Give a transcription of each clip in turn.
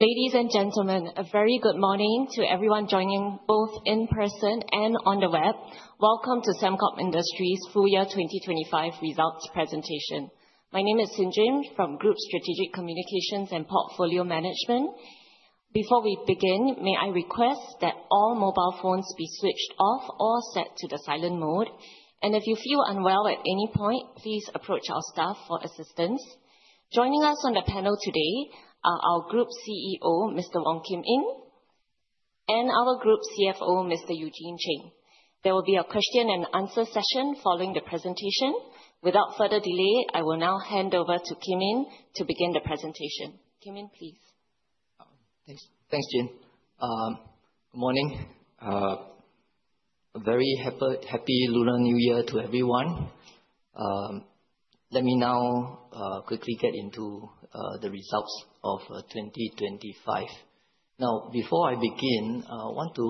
Ladies and gentlemen, a very good morning to everyone joining both in person and on the web. Welcome to Sembcorp Industries' full year 2025 results presentation. My name is Xin Jin from Group Strategic Communications and Portfolio Management. Before we begin, may I request that all mobile phones be switched off or set to the silent mode. If you feel unwell at any point, please approach our staff for assistance. Joining us on the panel today are our Group CEO, Mr. Wong Kim Yin, and our Group CFO, Mr. Eugene Cheng. There will be a question and answer session following the presentation. Without further delay, I will now hand over to Kim Yin to begin the presentation. Kim Yin, please. Thanks. Thanks, Jin. Good morning. A very happy Lunar New Year to everyone. Let me now quickly get into the results of 2025. Now, before I begin, I want to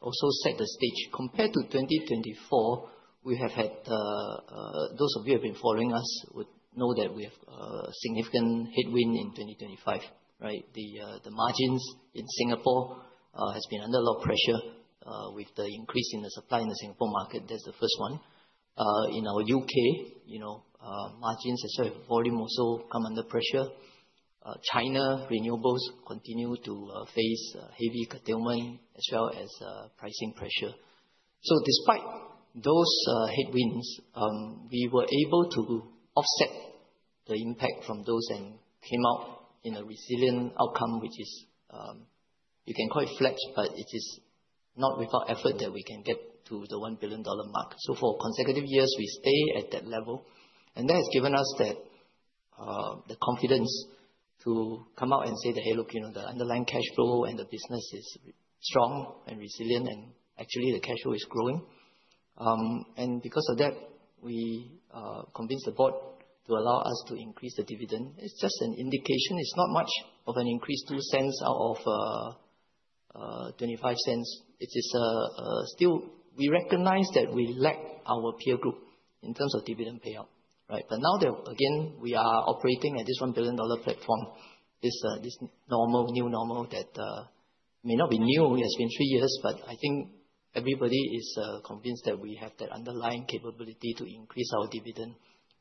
also set the stage. Compared to 2024, we have had those of you who have been following us would know that we have a significant headwind in 2025, right? The margins in Singapore has been under a lot of pressure with the increase in the supply in the Singapore market. That's the first one. In our U.K., you know, margins as well, volume also come under pressure. China renewables continue to face heavy curtailment as well as pricing pressure. Despite those headwinds, we were able to offset the impact from those and came out in a resilient outcome, which is, you can call it flat, but it is not without effort that we can get to the 1 billion dollar mark. For consecutive years, we stay at that level, and that has given us that the confidence to come out and say that, "Hey, look, you know, the underlying cash flow and the business is strong and resilient, and actually the cash flow is growing." Because of that, we convinced the board to allow us to increase the dividend. It's just an indication. It's not much of an increase, 0.02 out of 0.25. It is still we recognize that we lack our peer group in terms of dividend payout, right? Now that, again, we are operating at this 1 billion dollar platform, this new normal, that may not be new, it's been three years, but I think everybody is convinced that we have the underlying capability to increase our dividend,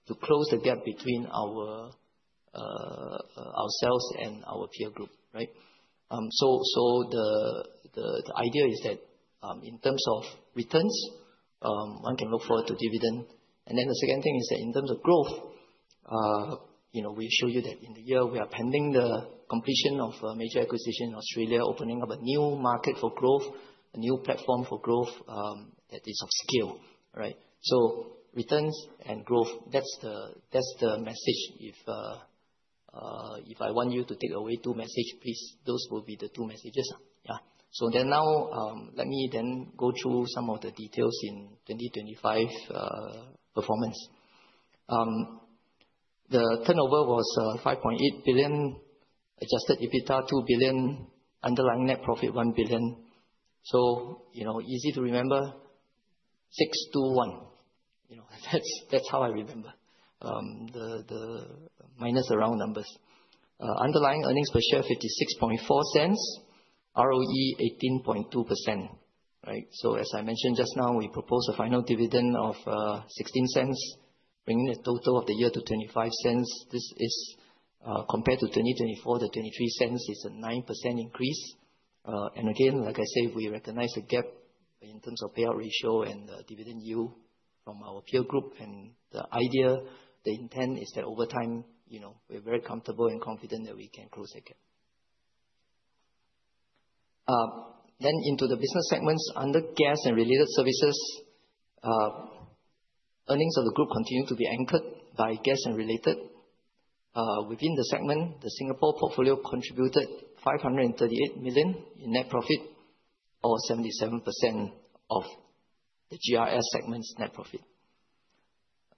to close the gap between ourselves and our peer group, right? The idea is that in terms of returns, one can look forward to dividend. The second thing is that in terms of growth, you know, we show you that in the year we are pending the completion of a major acquisition in Australia, opening up a new market for growth, a new platform for growth, that is of scale, right? Returns and growth, that's the message. If I want you to take away 2 message, please, those will be the 2 messages. Yeah. Let me then go through some of the details in 2025 performance. The turnover was 5.8 billion, adjusted EBITDA 2 billion, underlying net profit 1 billion. You know, easy to remember, 6 to 1. You know, that's how I remember the minus around numbers. Underlying earnings per share, 0.564. ROE 18.2%, right? As I mentioned just now, we propose a final dividend of 0.16, bringing the total of the year to 0.25. This is compared to 2024, the 0.23 is a 9% increase. Again, like I said, we recognize the gap in terms of payout ratio and dividend yield from our peer group. The idea, the intent, is that over time, you know, we're very comfortable and confident that we can close that gap. Into the business segments under Gas and Related Services, earnings of the group continue to be anchored by Gas and Related. Within the segment, the Singapore portfolio contributed 538 million in net profit, or 77% of the GRS segment's net profit.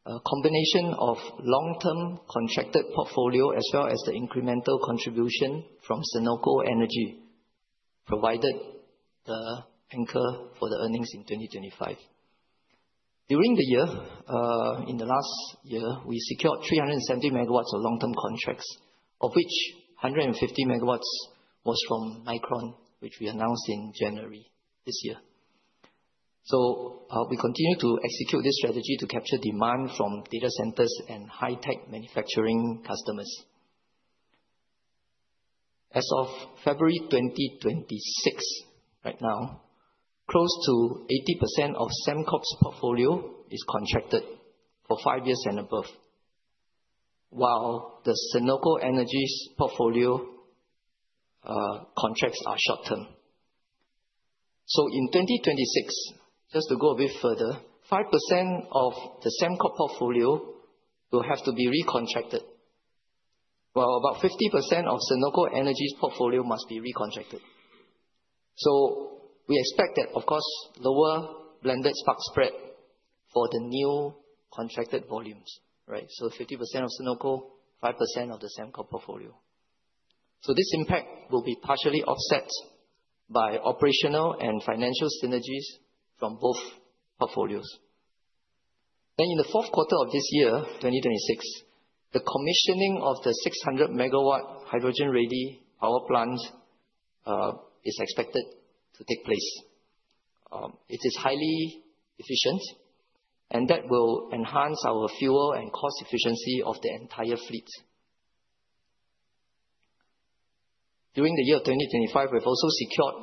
A combination of long-term contracted portfolio, as well as the incremental contribution from Senoko Energy, provided the anchor for the earnings in 2025. During the year, in the last year, we secured 370 MW of long-term contracts, of which 150 MW was from Micron, which we announced in January this year. We continue to execute this strategy to capture demand from data centers and high-tech manufacturing customers. As of February 2026, right now, close to 80% of Sembcorp's portfolio is contracted for five years and above. While the Senoko Energy's portfolio contracts are short-term. In 2026, just to go a bit further, 5% of the Sembcorp portfolio will have to be recontracted, while about 50% of Senoko Energy's portfolio must be recontracted. We expect that, of course, lower blended spark spread for the new contracted volumes, right? 50% of Senoko, 5% of the Sembcorp portfolio. This impact will be partially offset by operational and financial synergies from both portfolios. In the fourth quarter of this year, 2026, the commissioning of the 600 megawatt hydrogen-ready power plant is expected to take place. It is highly efficient, and that will enhance our fuel and cost efficiency of the entire fleet. During the year 2025, we've also secured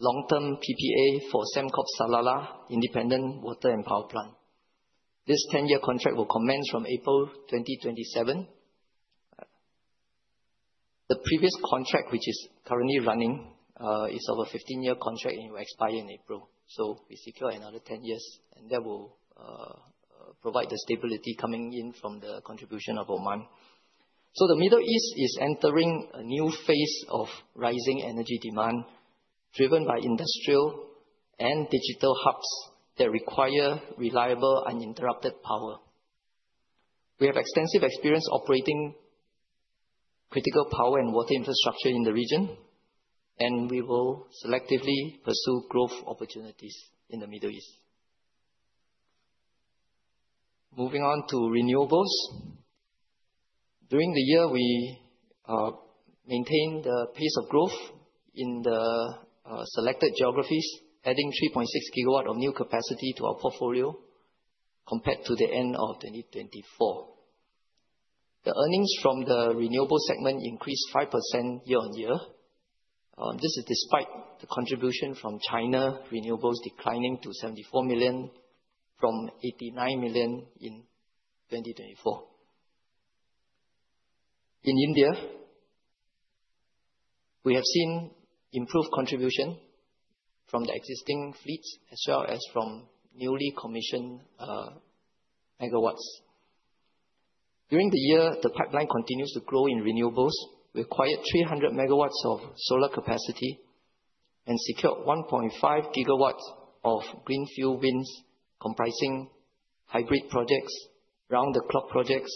long-term PPA for Sembcorp Salalah Independent Water and Power Plant. This 10-year contract will commence from April 2027. The previous contract, which is currently running, is of a 15-year contract and will expire in April. We secure another 10 years, and that will provide the stability coming in from the contribution of Oman. The Middle East is entering a new phase of rising energy demand, driven by industrial and digital hubs that require reliable, uninterrupted power. We have extensive experience operating critical power and water infrastructure in the region, and we will selectively pursue growth opportunities in the Middle East. Moving on to renewables. During the year, we maintained the pace of growth in the selected geographies, adding 3.6 GW of new capacity to our portfolio compared to the end of 2024. The earnings from the renewable segment increased 5% year-on-year. This is despite the contribution from China renewables declining to 74 million from 89 million in 2024. In India, we have seen improved contribution from the existing fleets as well as from newly commissioned megawatts. During the year, the pipeline continues to grow in renewables. We acquired 300 MW of solar capacity and secured 1.5 GW of greenfield winds, comprising hybrid projects, round-the-clock projects,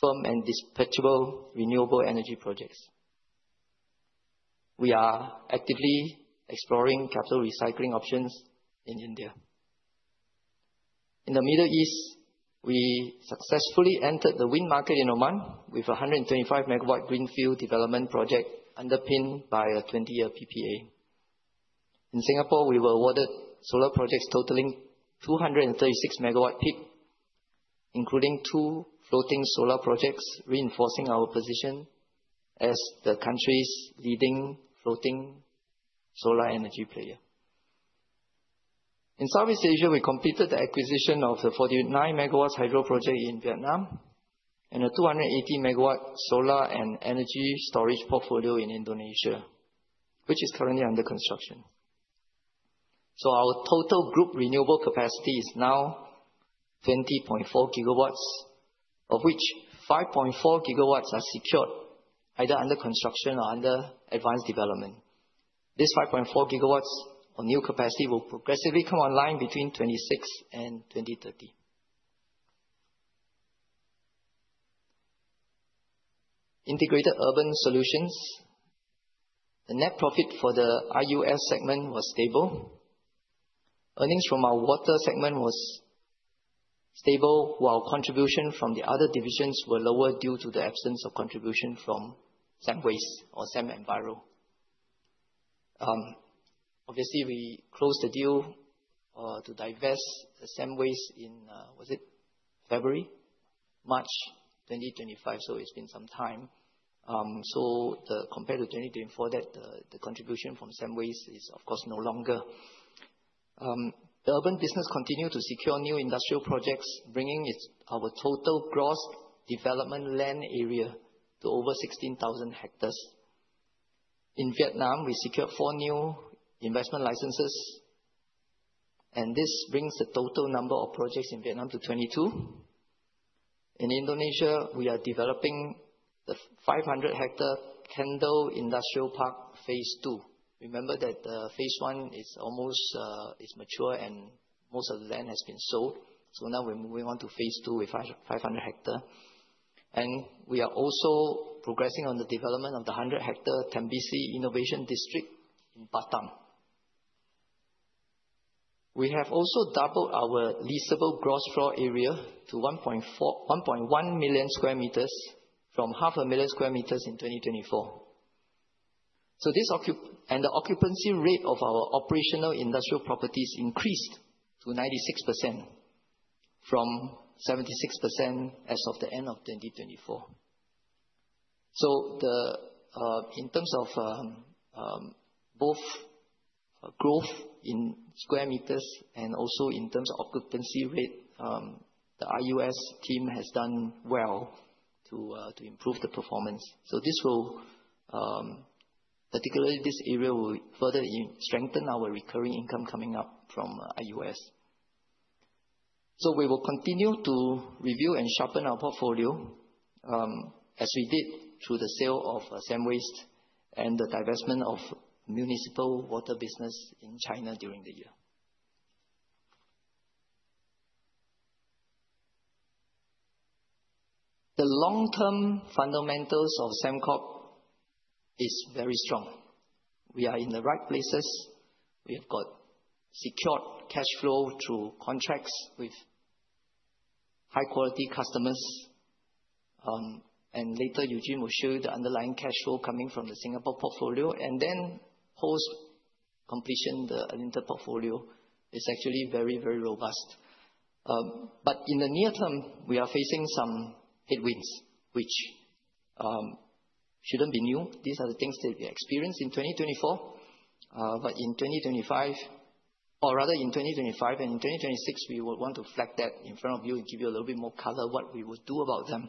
firm and dispatchable renewable energy projects. We are actively exploring capital recycling options in India. In the Middle East, we successfully entered the wind market in Oman with a 125 MW greenfield development project, underpinned by a 20-year PPA. In Singapore, we were awarded solar projects totaling 236 MW peak, including two floating solar projects, reinforcing our position as the country's leading floating solar energy player. In Southeast Asia, we completed the acquisition of the 49 MW hydro project in Vietnam and a 280 MW solar and energy storage portfolio in Indonesia, which is currently under construction. Our total group renewable capacity is now 20.4 GW, of which 5.4 GW are secured, either under construction or under advanced development. This 5.4 GW of new capacity will progressively come online between 2060 and 2030. Integrated Urban Solutions. The net profit for the IUS segment was stable. Earnings from our water segment was stable, while contribution from the other divisions were lower, due to the absence of contribution from Sembwaste or SembEnviro. Obviously, we closed the deal to divest Sembwaste in, was it February? March 2025, so it's been some time. Compared to 2024, that the contribution from Sembwaste is, of course, no longer. The urban business continued to secure new industrial projects, bringing our total gross development land area to over 16,000 hectares. In Vietnam, we secured four new investment licenses, this brings the total number of projects in Vietnam to 22. In Indonesia, we are developing the 500 hectare Kendal Industrial Park Phase Two. Remember that phase one is almost is mature, most of the land has been sold. Now we're moving on to phase two with 500 hectares. We are also progressing on the development of the 100-hectare Tembesi Innovation District in Batam. We have also doubled our leasable gross floor area to 1.1 million square meters, from half a million square meters in 2024. This and the occupancy rate of our operational industrial properties increased to 96%, from 76% as of the end of 2024. The in terms of both growth in square meters and also in terms of occupancy rate, the IUS team has done well to improve the performance. This will, particularly this area, will further strengthen our recurring income coming up from IUS. We will continue to review and sharpen our portfolio, as we did through the sale of SembWaste and the divestment of municipal water business in China during the year. The long-term fundamentals of Sembcorp is very strong. We are in the right places. We have got secured cash flow through contracts with high-quality customers. Later, Eugene will show you the underlying cash flow coming from the Singapore portfolio, then post-completion, the Alinta portfolio is actually very, very robust. In the near term, we are facing some headwinds, which shouldn't be new. These are the things that we experienced in 2024. In 2025, or rather in 2025 and in 2026, we would want to flag that in front of you and give you a little bit more color what we would do about them.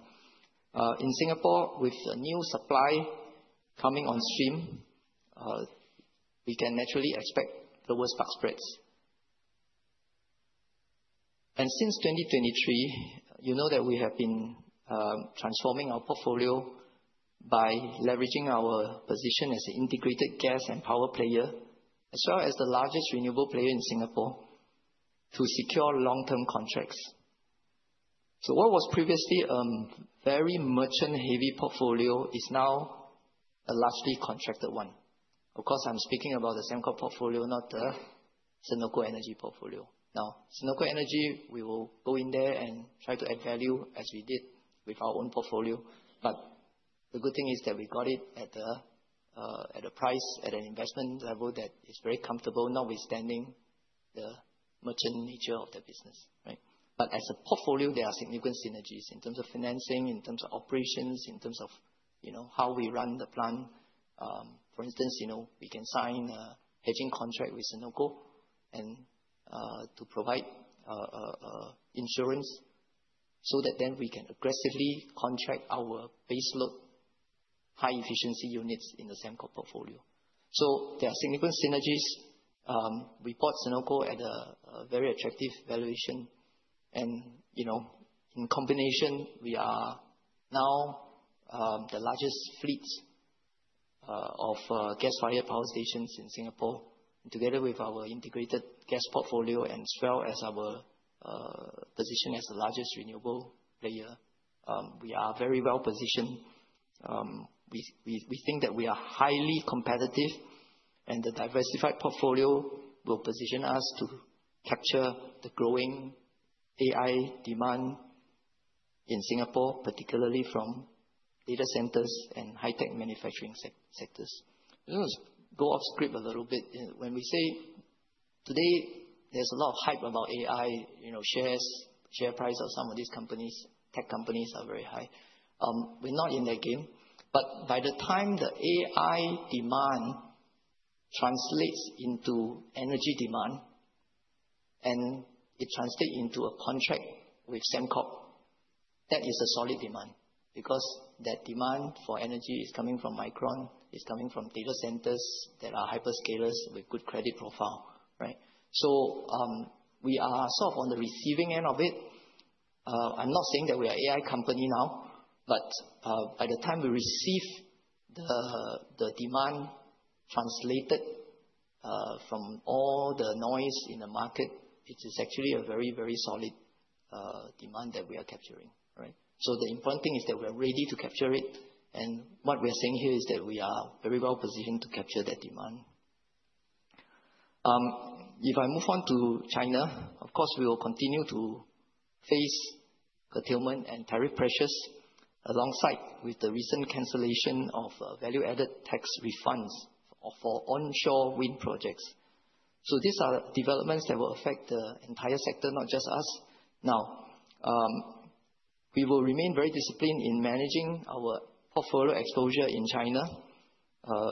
In Singapore, with the new supply coming on stream, we can naturally expect the worst spot spreads. Since 2023, you know that we have been transforming our portfolio by leveraging our position as an integrated gas and power player, as well as the largest renewable player in Singapore, to secure long-term contracts. What was previously very merchant-heavy portfolio is now a largely contracted one. Of course, I'm speaking about the Sembcorp portfolio, not the Senoko Energy portfolio. Senoko Energy, we will go in there and try to add value as we did with our own portfolio. The good thing is that we got it at a price, at an investment level that is very comfortable, notwithstanding the merchant nature of the business, right? As a portfolio, there are significant synergies in terms of financing, in terms of operations, in terms of, you know, how we run the plant. For instance, you know, we can sign a hedging contract with Senoko and to provide insurance, so that then we can aggressively contract our base load high efficiency units in the Sembcorp portfolio. There are significant synergies. We bought Senoko at a very attractive valuation. You know, in combination, we are now the largest fleet of gas-fired power stations in Singapore, together with our integrated gas portfolio and as well as our position as the largest renewable player. We are very well positioned. we think that we are highly competitive. The diversified portfolio will position us to capture the growing AI demand in Singapore, particularly from data centers and high-tech manufacturing sectors. Let us go off script a little bit. When we say today, there's a lot of hype about AI, you know, shares, share price of some of these companies, tech companies are very high. we're not in that game. By the time the AI demand translates into energy demand, and it translates into a contract with Sembcorp, that is a solid demand. That demand for energy is coming from Micron, it's coming from data centers that are hyperscalers with good credit profile, right? we are sort of on the receiving end of it. I'm not saying that we are AI company now, but by the time we receive the demand translated from all the noise in the market, it is actually a very, very solid demand that we are capturing, right? The important thing is that we are ready to capture it, and what we are saying here is that we are very well positioned to capture that demand. If I move on to China, of course, we will continue to face curtailment and tariff pressures, alongside with the recent cancellation of value-added tax refunds for onshore wind projects. These are developments that will affect the entire sector, not just us. Now, we will remain very disciplined in managing our portfolio exposure in China,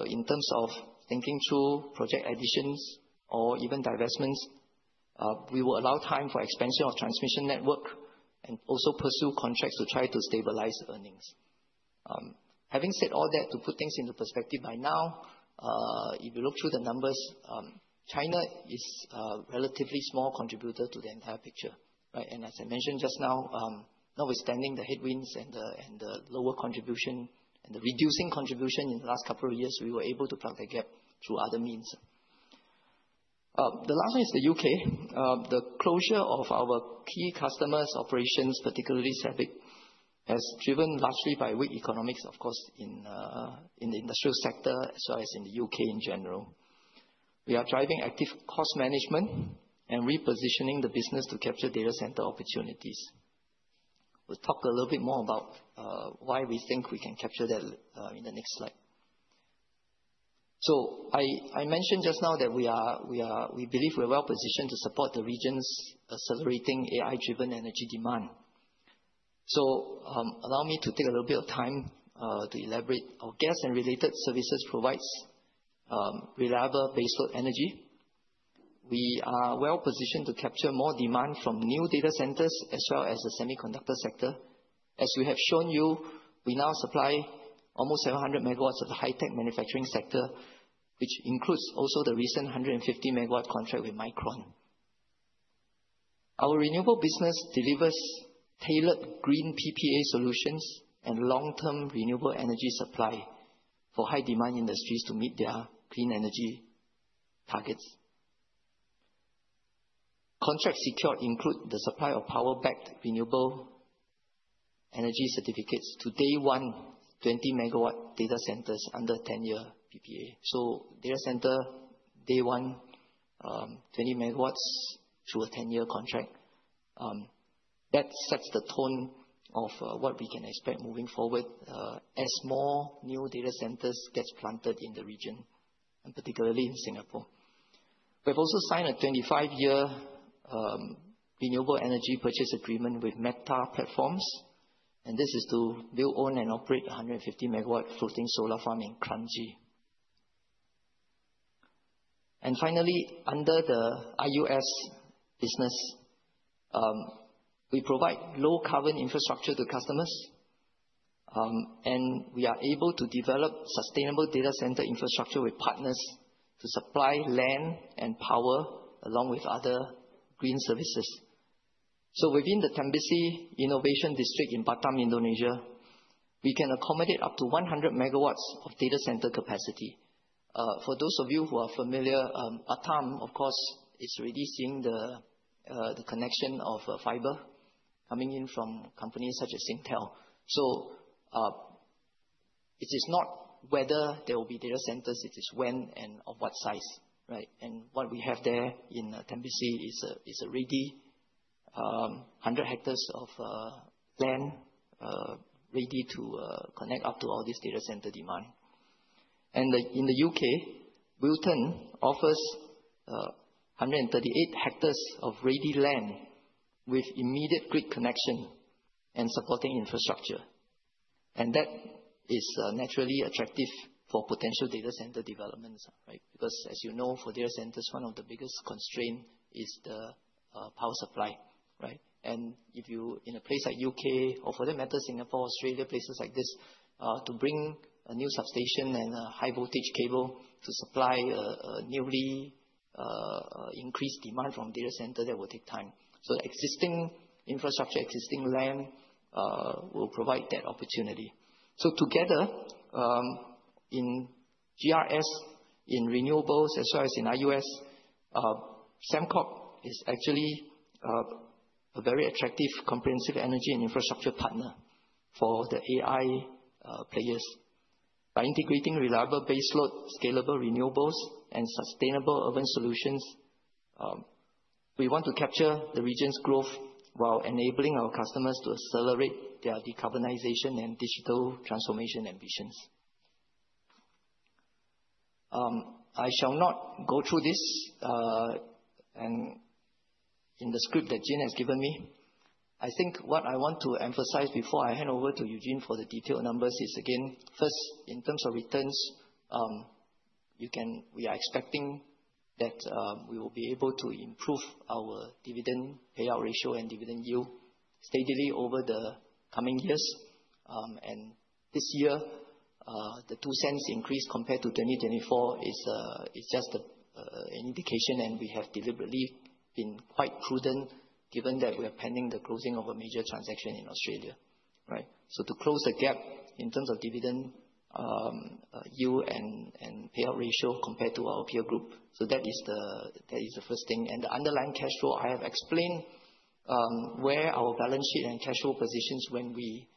in terms of thinking through project additions or even divestments. We will allow time for expansion of transmission network and also pursue contracts to try to stabilize earnings. Having said all that, to put things into perspective, by now, if you look through the numbers, China is a relatively small contributor to the entire picture, right? As I mentioned just now, notwithstanding the headwinds and the lower contribution, and the reducing contribution in the last couple of years, we were able to plug the gap through other means. The last one is the UK. The closure of our key customers' operations, particularly SABIC, has driven largely by weak economics, of course, in the industrial sector, as well as in the UK in general. We are driving active cost management and repositioning the business to capture data center opportunities. We'll talk a little bit more about why we think we can capture that in the next slide. I mentioned just now that we believe we're well positioned to support the region's accelerating AI-driven energy demand. Allow me to take a little bit of time to elaborate. Our Gas and Related Services provides reliable baseload energy. We are well positioned to capture more demand from new data centers, as well as the semiconductor sector. As we have shown you, we now supply almost 700 MW of the high-tech manufacturing sector, which includes also the recent 150 MW contract with Micron. Our renewable business delivers tailored green PPA solutions and long-term renewable energy supply for high-demand industries to meet their clean energy targets. Contract secured include the supply of power-backed renewable energy certificates to day one, 20 megawatt data centers under 10-year PPA. Data center, day one, 20 megawatts to a 10-year contract. That sets the tone of what we can expect moving forward as more new data centers gets planted in the region, and particularly in Singapore. We've also signed a 25-year renewable energy purchase agreement with Meta Platforms, this is to build, own, and operate a 150 megawatt floating solar farm in Kranji. Finally, under the IUS business, we provide low carbon infrastructure to customers, we are able to develop sustainable data center infrastructure with partners to supply land and power, along with other green services. Within the Tembesi Innovation District in Batam, Indonesia, we can accommodate up to 100 megawatts of data center capacity. For those of you who are familiar, Batam, of course, is already seeing the connection of fiber coming in from companies such as Intel. It is not whether there will be data centers, it is when and of what size, right? What we have there in Tembesi is a, is already, 100 hectares of land, ready to connect up to all this data center demand. In the UK, Wilton offers, 138 hectares of ready land with immediate grid connection and supporting infrastructure. That is naturally attractive for potential data center developments, right? Because as you know, for data centers, one of the biggest constraint is the power supply, right? If you, in a place like UK or for that matter, Singapore, Australia, places like this, to bring a new substation and a high voltage cable to supply a newly increased demand from data center, that will take time. Existing infrastructure, existing land, will provide that opportunity. Together, in GRS, in renewables, as well as in IUS, Sembcorp is actually a very attractive, comprehensive energy and infrastructure partner for the AI players. By integrating reliable baseload, scalable renewables, and sustainable urban solutions, we want to capture the region's growth while enabling our customers to accelerate their decarbonization and digital transformation ambitions. I shall not go through this, and in the script that Gene has given me. I think what I want to emphasize before I hand over to Eugene for the detailed numbers is, again, first, in terms of returns, we are expecting that we will be able to improve our dividend payout ratio and dividend yield steadily over the coming years. This year, the 0.02 increase compared to 2024 is just an indication, and we have deliberately been quite prudent given that we are pending the closing of a major transaction in Australia, right? To close the gap in terms of dividend yield and payout ratio compared to our peer group. That is the first thing. The underlying cash flow, I have explained, where our balance sheet and cash flow positions when we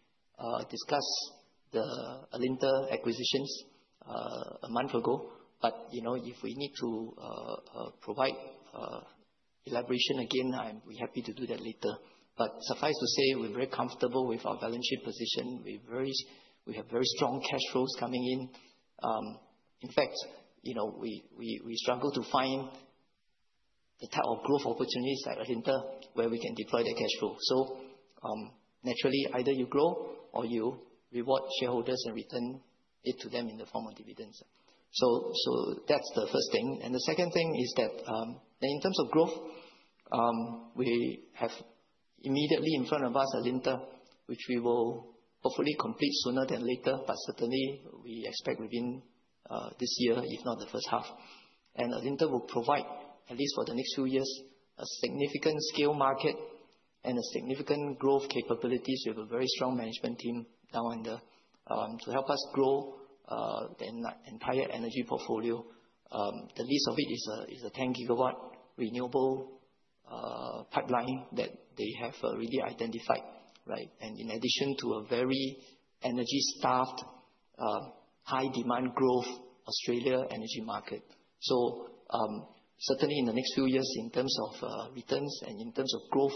discuss the Alinta acquisitions a month ago. You know, if we need to provide elaboration again, I'm happy to do that later. Suffice to say, we're very comfortable with our balance sheet position. We have very strong cash flows coming in. In fact, you know, we struggle to find the type of growth opportunities like Alinta, where we can deploy the cash flow. Naturally, either you grow or you reward shareholders and return it to them in the form of dividends. That's the first thing. The second thing is that, in terms of growth, we have immediately in front of us, Alinta, which we will hopefully complete sooner than later, but certainly we expect within this year, if not the first half. Alinta will provide, at least for the next few years, a significant scale market and a significant growth capabilities with a very strong management team now under to help us grow the entire energy portfolio. The least of it is a 10 gigawatt renewable pipeline that they have really identified, right? In addition to a very energy-starved, high demand growth, Australia energy market. Certainly in the next few years, in terms of returns and in terms of growth,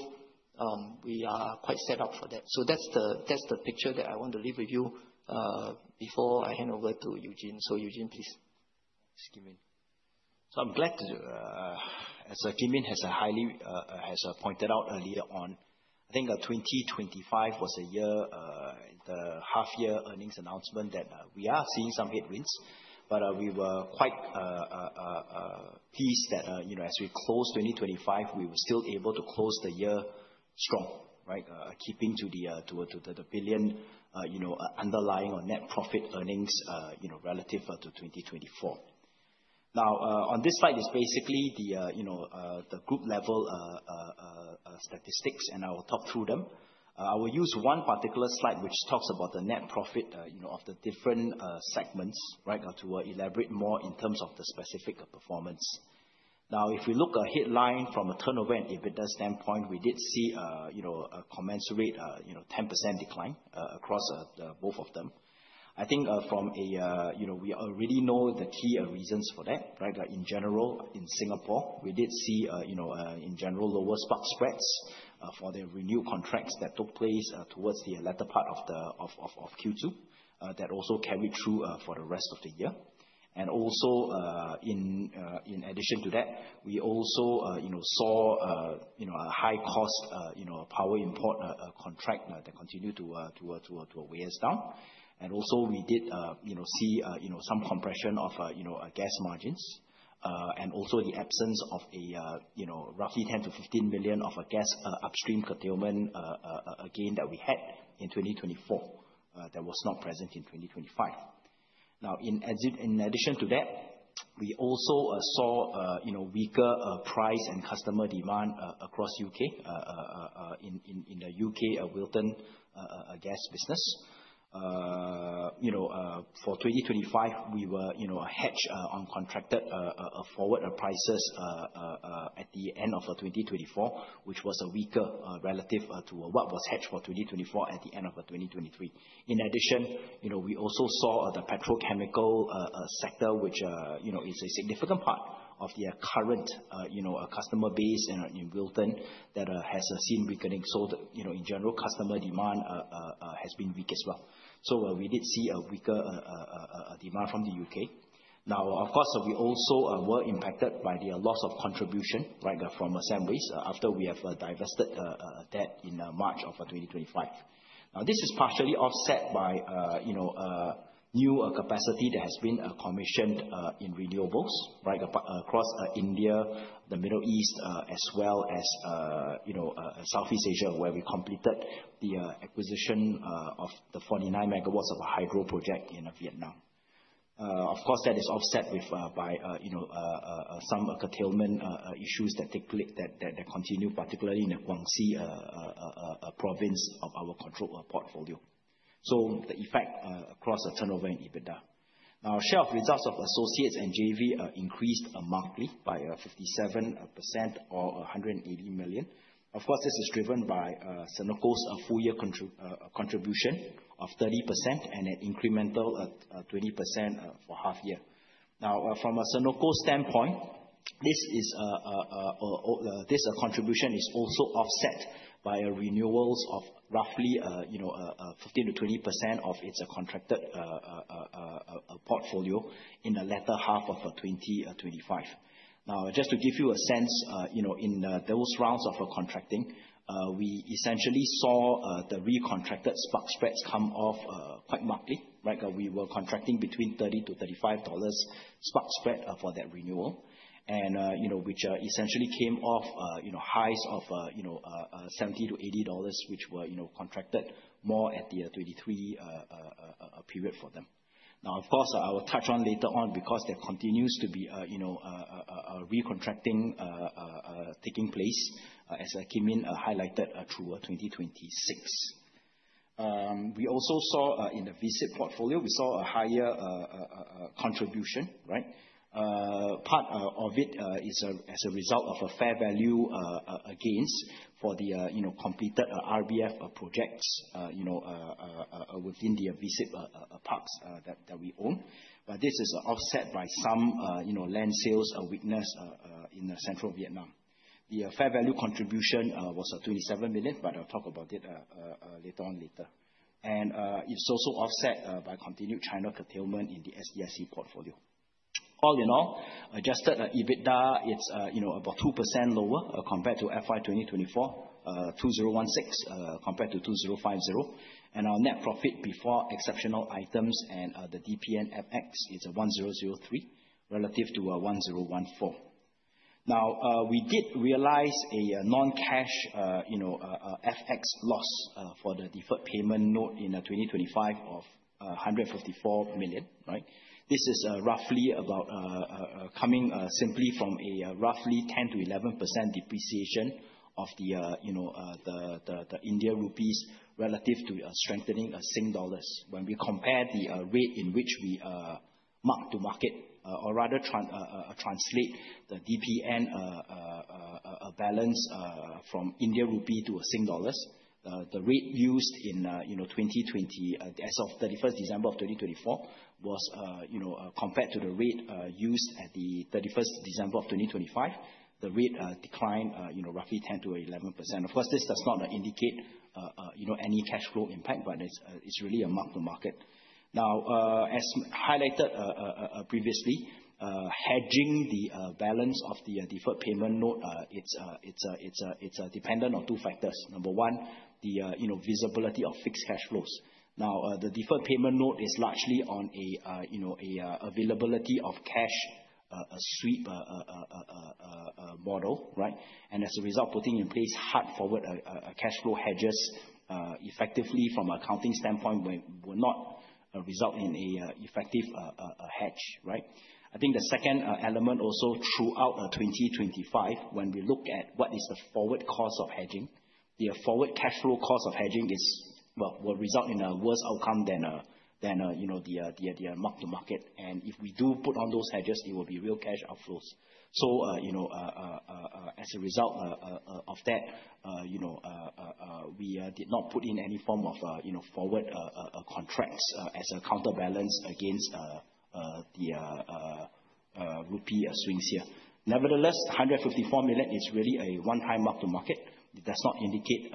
we are quite set up for that. That's the picture that I want to leave with you before I hand over to Eugene. Eugene, please. Excuse me. I'm glad to, as Kim Yin has highly pointed out earlier on, I think, 2025 was a year, the half year earnings announcement that we are seeing some headwinds. We were quite pleased that, you know, as we close 2025, we were still able to close the year strong, right? Keeping to the 1 billion, you know, underlying our net profit earnings, you know, relative to 2024. On this slide is basically the, you know, the group level statistics, and I will talk through them. I will use one particular slide which talks about the net profit, you know, of the different segments, right, to elaborate more in terms of the specific performance. If we look at headline from a turnover and EBITDA standpoint, we did see, you know, a commensurate, you know, 10% decline across the both of them. I think, from a, you know, we already know the key reasons for that, right? In general, in Singapore, we did see, you know, in general, lower spark spreads for the renewal contracts that took place towards the latter part of Q2. That also carried through for the rest of the year. In addition to that, we also, you know, saw, you know, a high cost, you know, power import contract that continued to weigh us down. We did, you know, see, you know, some compression of, you know, gas margins. And also the absence of a, you know, roughly 10 million-15 million of a gas upstream curtailment gain that we had in 2024 that was not present in 2025. In addition to that, we also, you know, saw, you know, weaker price and customer demand across UK in the UK Wilton gas business. , we were, you know, hedge on contracted forward prices at the end of 2024, which was weaker relative to what was hedged for 2024 at the end of 2023. In addition, you know, we also saw the petrochemical sector, which, you know, is a significant part of the current, you know, customer base in Wilton that has seen weakening. So, you know, in general, customer demand has been weak as well. So we did see a weaker demand from the UK. Now, of course, we also were impacted by the loss of contribution, right, from assemblies after we have divested that in March of 2025. This is partially offset by, you know, a new capacity that has been commissioned in renewables, right, across India, the Middle East, as well as, you know, Southeast Asia, where we completed the acquisition of the 49 MW of a hydro project in Vietnam. Of course, that is offset with by, you know, some curtailment issues that take place that continue, particularly in the Guangxi province of our control portfolio. The effect across the turnover and EBITDA. Share of results of associates and JV increased markedly by 57% or 180 million. Of course, this is driven by Senoko's full year contribution of 30% and an incremental 20% for half year. From a Senoko standpoint, this contribution is also offset by renewals of roughly, you know, 15%-20% of its contracted portfolio in the latter half of 2025. Just to give you a sense, you know, in those rounds of contracting, we essentially saw the recontracted spark spreads come off quite markedly, like we were contracting between $30-$35 spark spread for that renewal. Which, you know, essentially came off, you know, highs of, you know, $70-$80, which were, you know, contracted more at the 23 period for them. Now, of course, I will touch on later on, because there continues to be, you know, recontracting taking place as Kim Yin highlighted through 2026. We also saw in the VSIP portfolio, we saw a higher contribution, right? Part of it as a result of a fair value against for the, you know, completed RBF projects, you know, within the VSIP parks that we own. This is offset by some, you know, land sales weakness in Central Vietnam. The fair value contribution was 27 million, but I'll talk about it later on, later. It's also offset by continued China curtailment in the SDSE portfolio. All in all, adjusted EBITDA, it's, you know, about 2% lower compared to FY 2024, 2,016, compared to 2,050. Our net profit before exceptional items and the DPNFX is 1,003, relative to 1,014. Now, we did realize a non-cash, you know, FX loss for the deferred payment note in 2025 of 154 million, right? This is roughly about coming simply from a roughly 10%-11% depreciation of the, you know, the INR relative to strengthening of SGD. When we compare the rate in which we mark-to-market or rather translate the DPN balance from INR to a SGD, the rate used in, you know, 2020 as of 31st December of 2024, was, you know, compared to the rate used at the 31st December of 2025. The rate declined, you know, roughly 10%-11%. Of course, this does not indicate, you know, any cash flow impact, but it's it's really a mark to market. Now, as highlighted previously, hedging the balance of the deferred payment note, it's dependent on 2 factors. Number 1, the, you know, visibility of fixed cash flows. Now, the deferred payment note is largely on a, you know, a availability of cash, a sweep model, right? As a result, putting in place hard forward cashflow hedges, effectively from an accounting standpoint, will not result in a effective hedge, right? I think the second element also throughout 2025, when we look at what is the forward cost of hedging, the forward cashflow cost of hedging is, well, will result in a worse outcome than... than, you know, the mark to market. If we do put on those hedges, it will be real cash outflows. You know, as a result of that, you know, we did not put in any form of, you know, forward contracts as a counterbalance against the rupee swings here. Nevertheless, 154 million is really a one-time mark to market. It does not indicate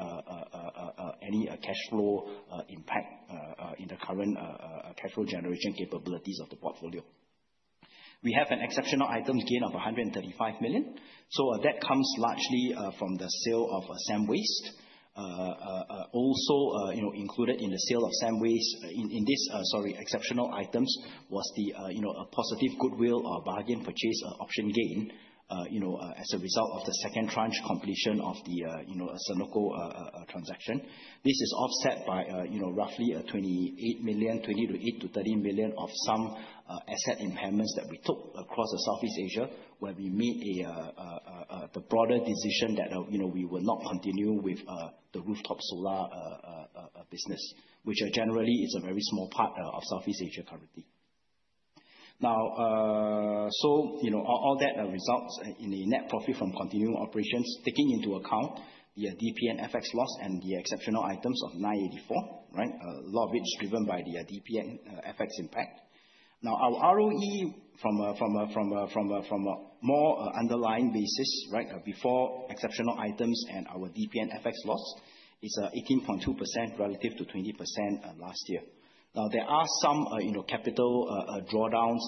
any cash flow impact in the current cash flow generation capabilities of the portfolio. We have an exceptional items gain of 135 million, that comes largely from the sale of SembWaste. Also, you know, included in the sale of SembWaste in this, sorry, exceptional items was the, you know, a positive goodwill or bargain purchase option gain, you know, as a result of the second tranche completion of the, you know, Senoko transaction. This is offset by, you know, roughly, 28 million, 20 to 8 to 13 million of some asset impairments that we took across Southeast Asia, where we made a broader decision that, you know, we will not continue with the rooftop solar business, which generally is a very small part of Southeast Asia currently. You know, all that results in the net profit from continuing operations, taking into account the DPN FX loss and the exceptional items of 984, right. A lot of it is driven by the DPN FX impact. Our ROE from a more underlying basis, right, before exceptional items and our DPN FX loss is 18.2% relative to 20% last year. There are some, you know, capital drawdowns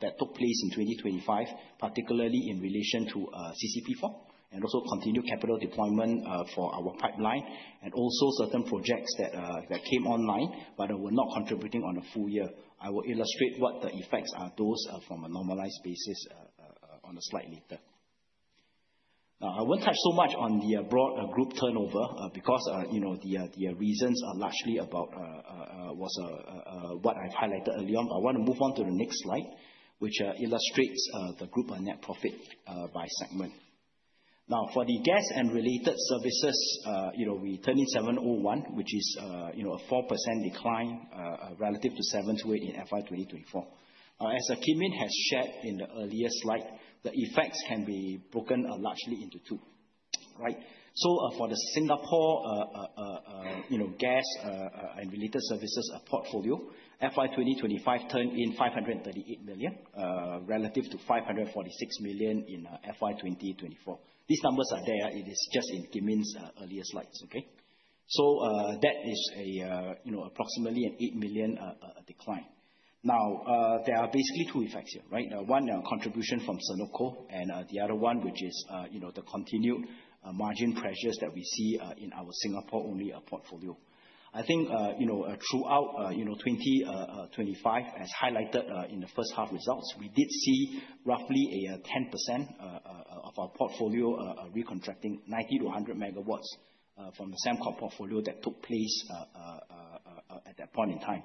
that took place in 2025, particularly in relation to CCP4 and also continued capital deployment for our pipeline and also certain projects that came online but were not contributing on a full year. I will illustrate what the effects are, those, from a normalized basis, on the slide later. I won't touch so much on the broad group turnover, because, you know, the reasons are largely about, was, what I've highlighted early on. I want to move on to the next slide, which illustrates the group and net profit by segment. For the Gas and Related Services, you know, we turned in 701, which is, you know, a 4% decline, relative to 728 in FY 2024. As Kim Yin has shared in the earlier slide, the effects can be broken, largely into 2, right? For the Singapore, you know, Gas and Related Services portfolio, FY 2025 turned in 538 million, relative to 546 million in FY 2024. These numbers are there. It is just in Kim Yin's earlier slides, okay? That is a, you know, approximately an 8 million decline. There are basically two effects here, right? One, contribution from Senoko, and the other one, which is, you know, the continued margin pressures that we see in our Singapore-only portfolio. I think, you know, throughout, you know, 2025, as highlighted in the first half results, we did see roughly a 10% of our portfolio recontracting 90-100 MW from the Sembcorp portfolio that took place at that point in time.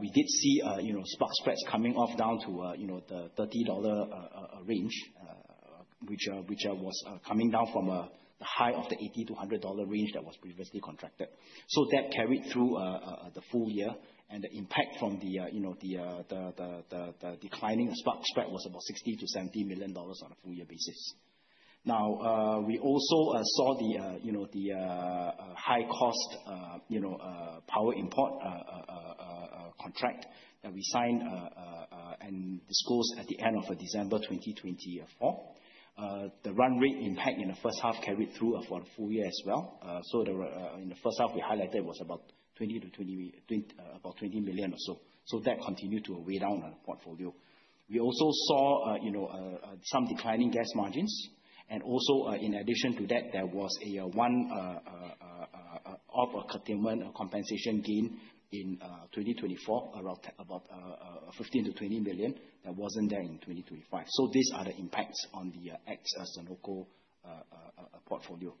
We did see, you know, spot spreads coming off down to, you know, the $30 range, which was coming down from the high of the $80-$100 range that was previously contracted. That carried through the full year. And the impact from the, you know, the declining spot spread was about $60 million-$70 million on a full year basis. We also saw the, you know, the high cost, you know, power import contract that we signed and disclosed at the end of December 2024. The run rate impact in the first half carried through for the full year as well. In the first half, we highlighted was about 20 million or so. That continued to weigh down on the portfolio. We also saw, you know, some declining gas margins, and also, in addition to that, there was a one off or curtailment compensation gain in 2024, around about 15-20 million. That wasn't there in 2025. These are the impacts on the ex Senoko portfolio.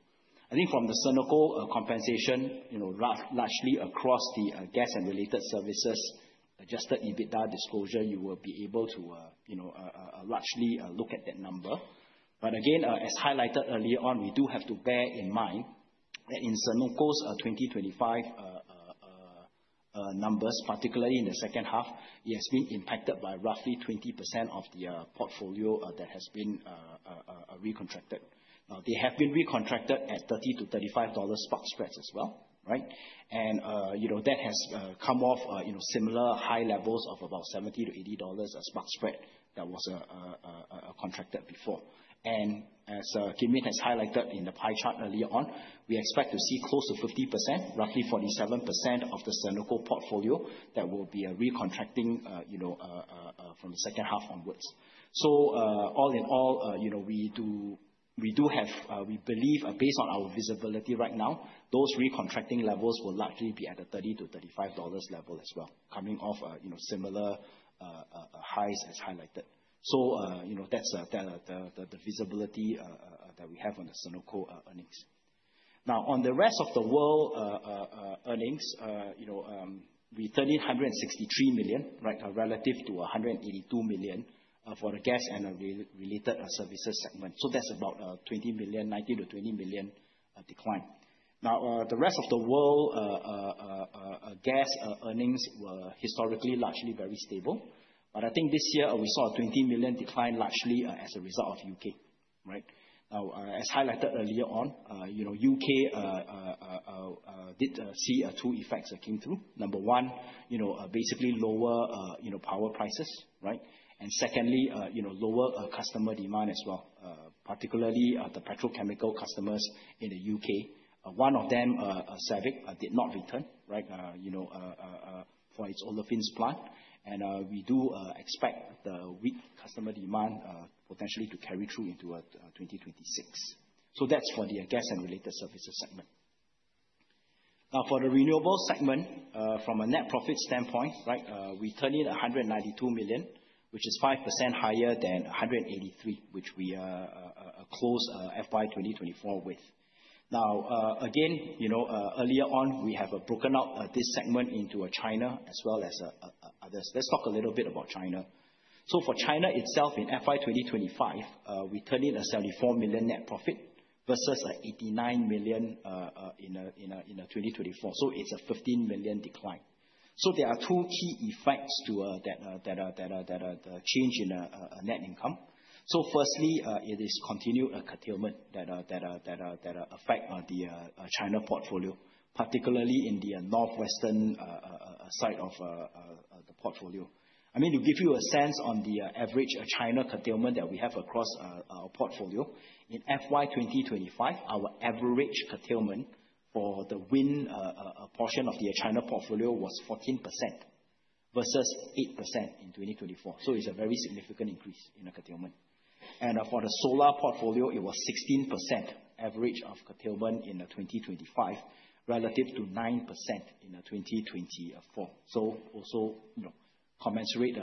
I think from the Senoko compensation, you know, largely across the Gas and Related Services adjusted EBITDA disclosure, you will be able to, you know, largely look at that number. Again, as highlighted early on, we do have to bear in mind that in Senoko's 2025 numbers, particularly in the second half, it has been impacted by roughly 20% of the portfolio that has been recontracted. They have been recontracted at $30-$35 spark spreads as well, right? You know, that has come off, you know, similar high levels of about $70-$80 as spark spread that was contracted before. As Kim Yin has highlighted in the pie chart earlier on, we expect to see close to 50%, roughly 47% of the Senoko portfolio that will be recontracting, you know, from the second half onwards. All in all, you know, we do have, we believe, based on our visibility right now, those recontracting levels will largely be at a $30-$35 level as well, coming off, you know, similar highs as highlighted. That's, you know, the visibility that we have on the Senoko earnings. On the rest of the world earnings, you know, We turned in 163 million, right? Relative to 182 million for the Gas and Related Services segment. That's about 20 million, 19 million-20 million decline. The rest of the world gas earnings were historically largely very stable, but I think this year we saw a 20 million decline, largely as a result of UK. As highlighted earlier on, you know, UK did see two effects that came through. Number 1, you know, basically lower, you know, power prices. Secondly, you know, lower customer demand as well, particularly the petrochemical customers in the UK. One of them, Savic, did not return. you know, for its olefins plant and we do expect the weak customer demand potentially to carry through into 2026. That's for the Gas and Related Services segment. For the renewables segment, from a net profit standpoint, right, we turned in 192 million, which is 5% higher than 183 million, which we are close FY 2024 with. Again, you know, earlier on, we have broken up this segment into a China as well as others. Let's talk a little bit about China. For China itself, in FY 2025, we turned in a 74 million net profit versus 89 million in 2024. It's a 15 million decline. There are two key effects to that change in net income. Firstly, it is continued curtailment that affect the China portfolio, particularly in the northwestern side of the portfolio. I mean, to give you a sense on the average China curtailment that we have across our portfolio, in FY 2025, our average curtailment for the wind portion of the China portfolio was 14% versus 8% in 2024. It's a very significant increase in the curtailment. And for the solar portfolio, it was 16% average of curtailment in 2025, relative to 9% in 2024. Also, you know, commensurate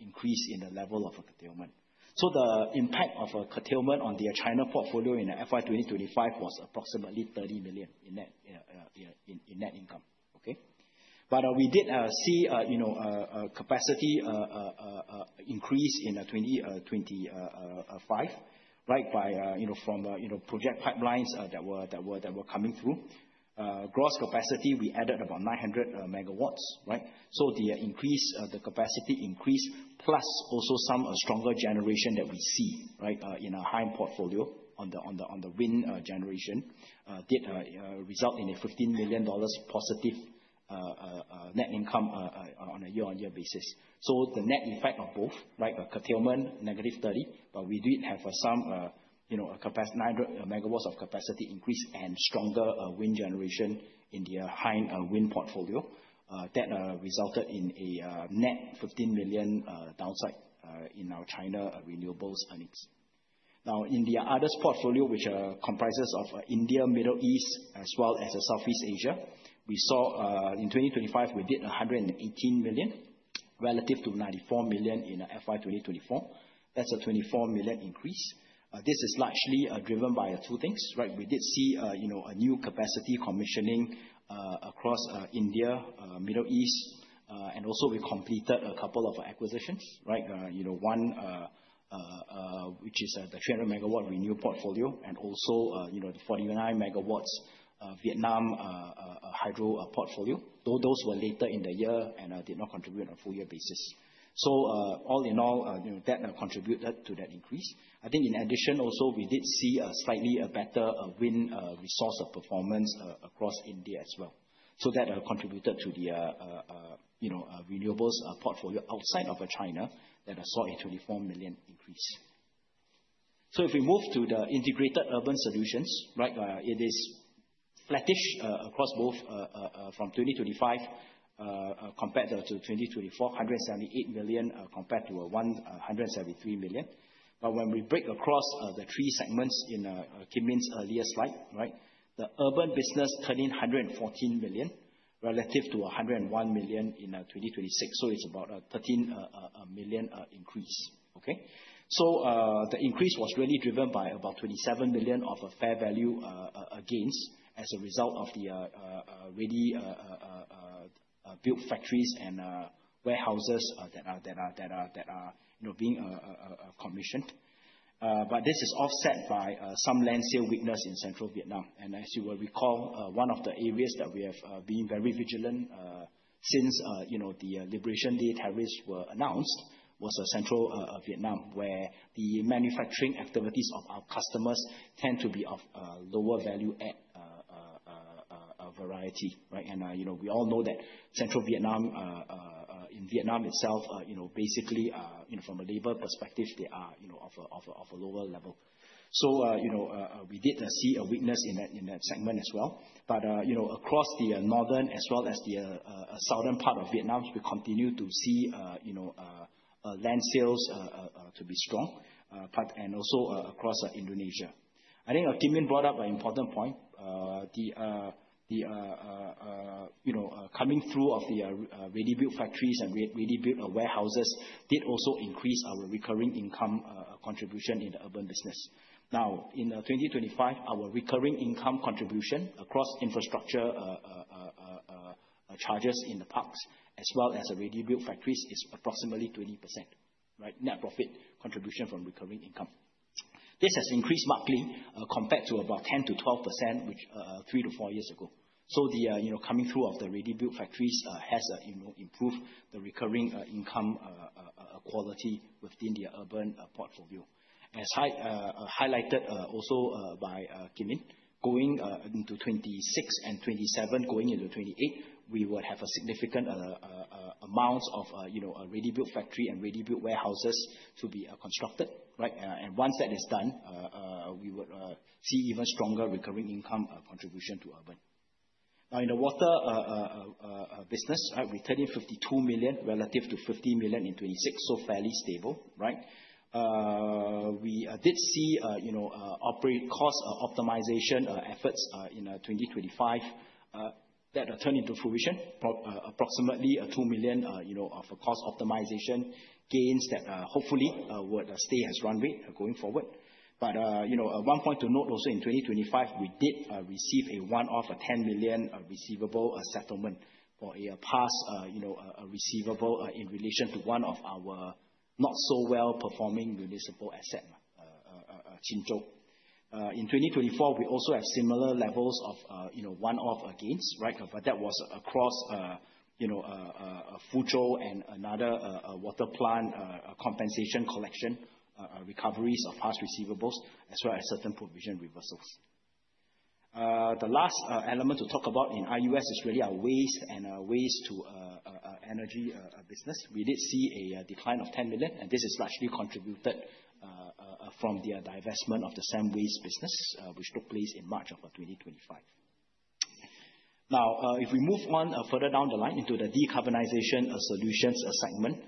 increase in the level of curtailment. The impact of a curtailment on the China portfolio in the FY 2025 was approximately 30 million in net income. Okay. We did see, you know, a capacity increase in the 2025, right? By, you know, from, you know, project pipelines that were coming through. Gross capacity, we added about 900 megawatts, right? The increase, the capacity increase, plus also some stronger generation that we see, right, in our hydro portfolio on the wind generation, did result in a 15 million dollars positive net income on a year-on-year basis. The net effect of both, right, curtailment, negative 30 million, but we did have some, you know, 9 megawatts of capacity increase and stronger wind generation in the high wind portfolio. That resulted in a net 15 million downside in our China renewables earnings. In the others portfolio, which comprises of India, Middle East, as well as Southeast Asia, we saw in 2025, we did 118 million relative to 94 million in FY 2024. That's a 24 million increase. This is largely driven by 2 things, right? We did see, you know, a new capacity commissioning across India, Middle East, and also we completed a couple of acquisitions, right? You know, one which is the 300 MW renewable portfolio, and also, you know, the 49 MW Vietnam hydro portfolio. Those were later in the year and did not contribute on a full year basis. All in all, you know, that contributed to that increase. I think in addition, also, we did see a slightly better wind resource of performance across India as well. That contributed to the, you know, renewables portfolio outside of China, that I saw a 24 million increase. If we move to the Integrated Urban Solutions, right, it is flattish across both from 2025 compared to 2024, 178 million compared to 173 million. When we break across the three segments in Kim Yin's earlier slide, right? The urban business turning 114 million relative to 101 million in 2026. It's about 13 million increase. Okay. The increase was really driven by about 27 million of a fair value against, as a result of the ready built factories and warehouses that are, you know, being commissioned. But this is offset by some land sale weakness in central Vietnam. As you will recall, one of the areas that we have been very vigilant since the Liberation Day tariffs were announced, was central Vietnam, where the manufacturing activities of our customers tend to be of lower value-added variety, right? You know, we all know that central Vietnam in Vietnam itself, basically, from a labor perspective, they are of a lower level. So, we did see a weakness in that segment as well. You know, across the northern as well as the southern part of Vietnam, we continue to see, you know, land sales to be strong, and also across Indonesia. I think Kim Yin brought up an important point. The coming through of the ready-built factories and ready-built warehouses did also increase our recurring income contribution in the urban business. In 2025, our recurring income contribution across infrastructure charges in the parks, as well as the ready-built factories, is approximately 20%, right? Net profit contribution from recurring income. This has increased markedly, compared to about 10%-12%, which three to four years ago. The, you know, coming through of the ready-built factories has, you know, improved the recurring income quality within the urban portfolio. As high highlighted also by Kim Yin, going into 2026 and 2027, going into 2028, we will have a significant amount of, you know, ready-built factory and ready-built warehouses to be constructed, right? Once that is done, we would see even stronger recurring income contribution to urban. In the water business, right, we turned in 52 million relative to 50 million in 2026, so fairly stable, right? We did see, you know, cost optimization efforts in 2025 that turned into fruition, approximately a 2 million, you know, of cost optimization gains that, hopefully, would stay as runway going forward. One point to note also in 2025, we did receive a one-off 10 million receivable settlement for a past, you know, a receivable in relation to one of our not so well-performing municipal asset, Qinzhou. In 2024, we also have similar levels of, you know, one-off gains, right? That was across, you know, Fuzhou and another water plant compensation collection recoveries of past receivables, as well as certain provision reversals. The last element to talk about in IUS is really our waste and our waste-to-energy business. We did see a decline of 10 million. This is largely contributed from the divestment of the same waste business, which took place in March of 2025. If we move one further down the line into the Decarbonisation Solutions segment.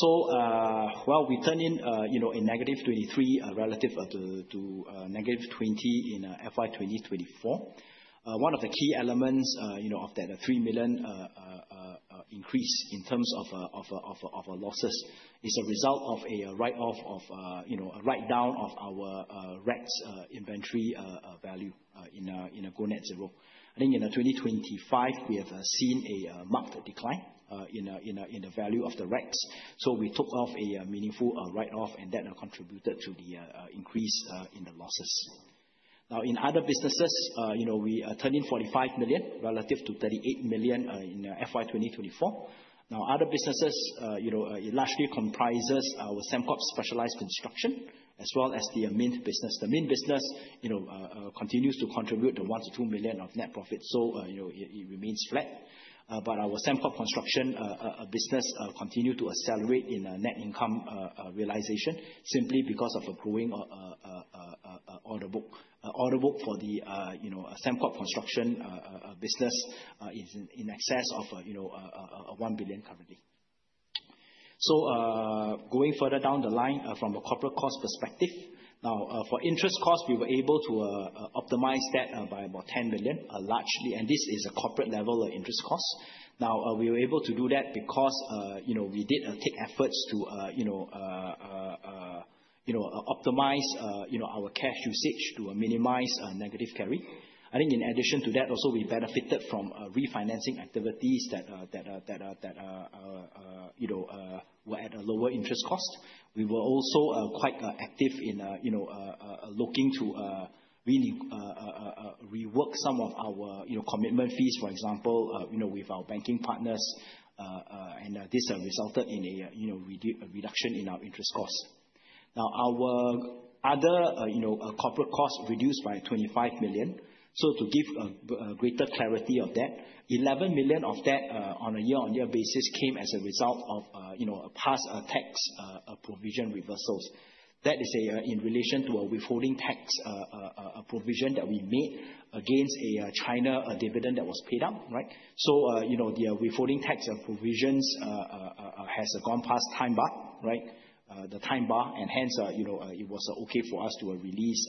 While we turn in, you know, a -23, relative to -20 in FY 2024, one of the key elements, you know, of that 3 million increase in terms of losses, is a result of a write-off of, you know, a write-down of our RECs inventory value in our GoNetZero. I think in 2025, we have seen a marked decline in the value of the RECs. We took off a meaningful write-off, and that contributed to the increase in the losses. In other businesses, you know, we turned in 45 million relative to 38 million in FY 2024. Other businesses, it largely comprises our Sembcorp Specialised Construction, as well as the mint business. The mint business continues to contribute $1 million-$2 million of net profit. It remains flat. Our Sembcorp construction business continue to accelerate in net income realization, simply because of a growing order book. Order book for the Sembcorp construction business is in excess of $1 billion currently. Going further down the line, from a corporate cost perspective. For interest cost, we were able to optimize that by about $10 million, largely, and this is a corporate level of interest cost. We were able to do that because, you know, we did take efforts to, you know, optimize, you know, our cash usage to minimize negative carry. I think in addition to that, also, we benefited from refinancing activities that, you know, were at a lower interest cost. We were also quite active in, you know, looking to really rework some of our, you know, commitment fees, for example, you know, with our banking partners, and this resulted in a, you know, reduction in our interest costs. Our other, you know, corporate costs reduced by 25 million. To give a greater clarity of that, 11 million of that, on a year-over-year basis, came as a result of, you know, a past tax provision reversals. That is in relation to a withholding tax provision that we made against a China dividend that was paid out, right? You know, the withholding tax and provisions has gone past time bar, right? The time bar, and hence, you know, it was okay for us to release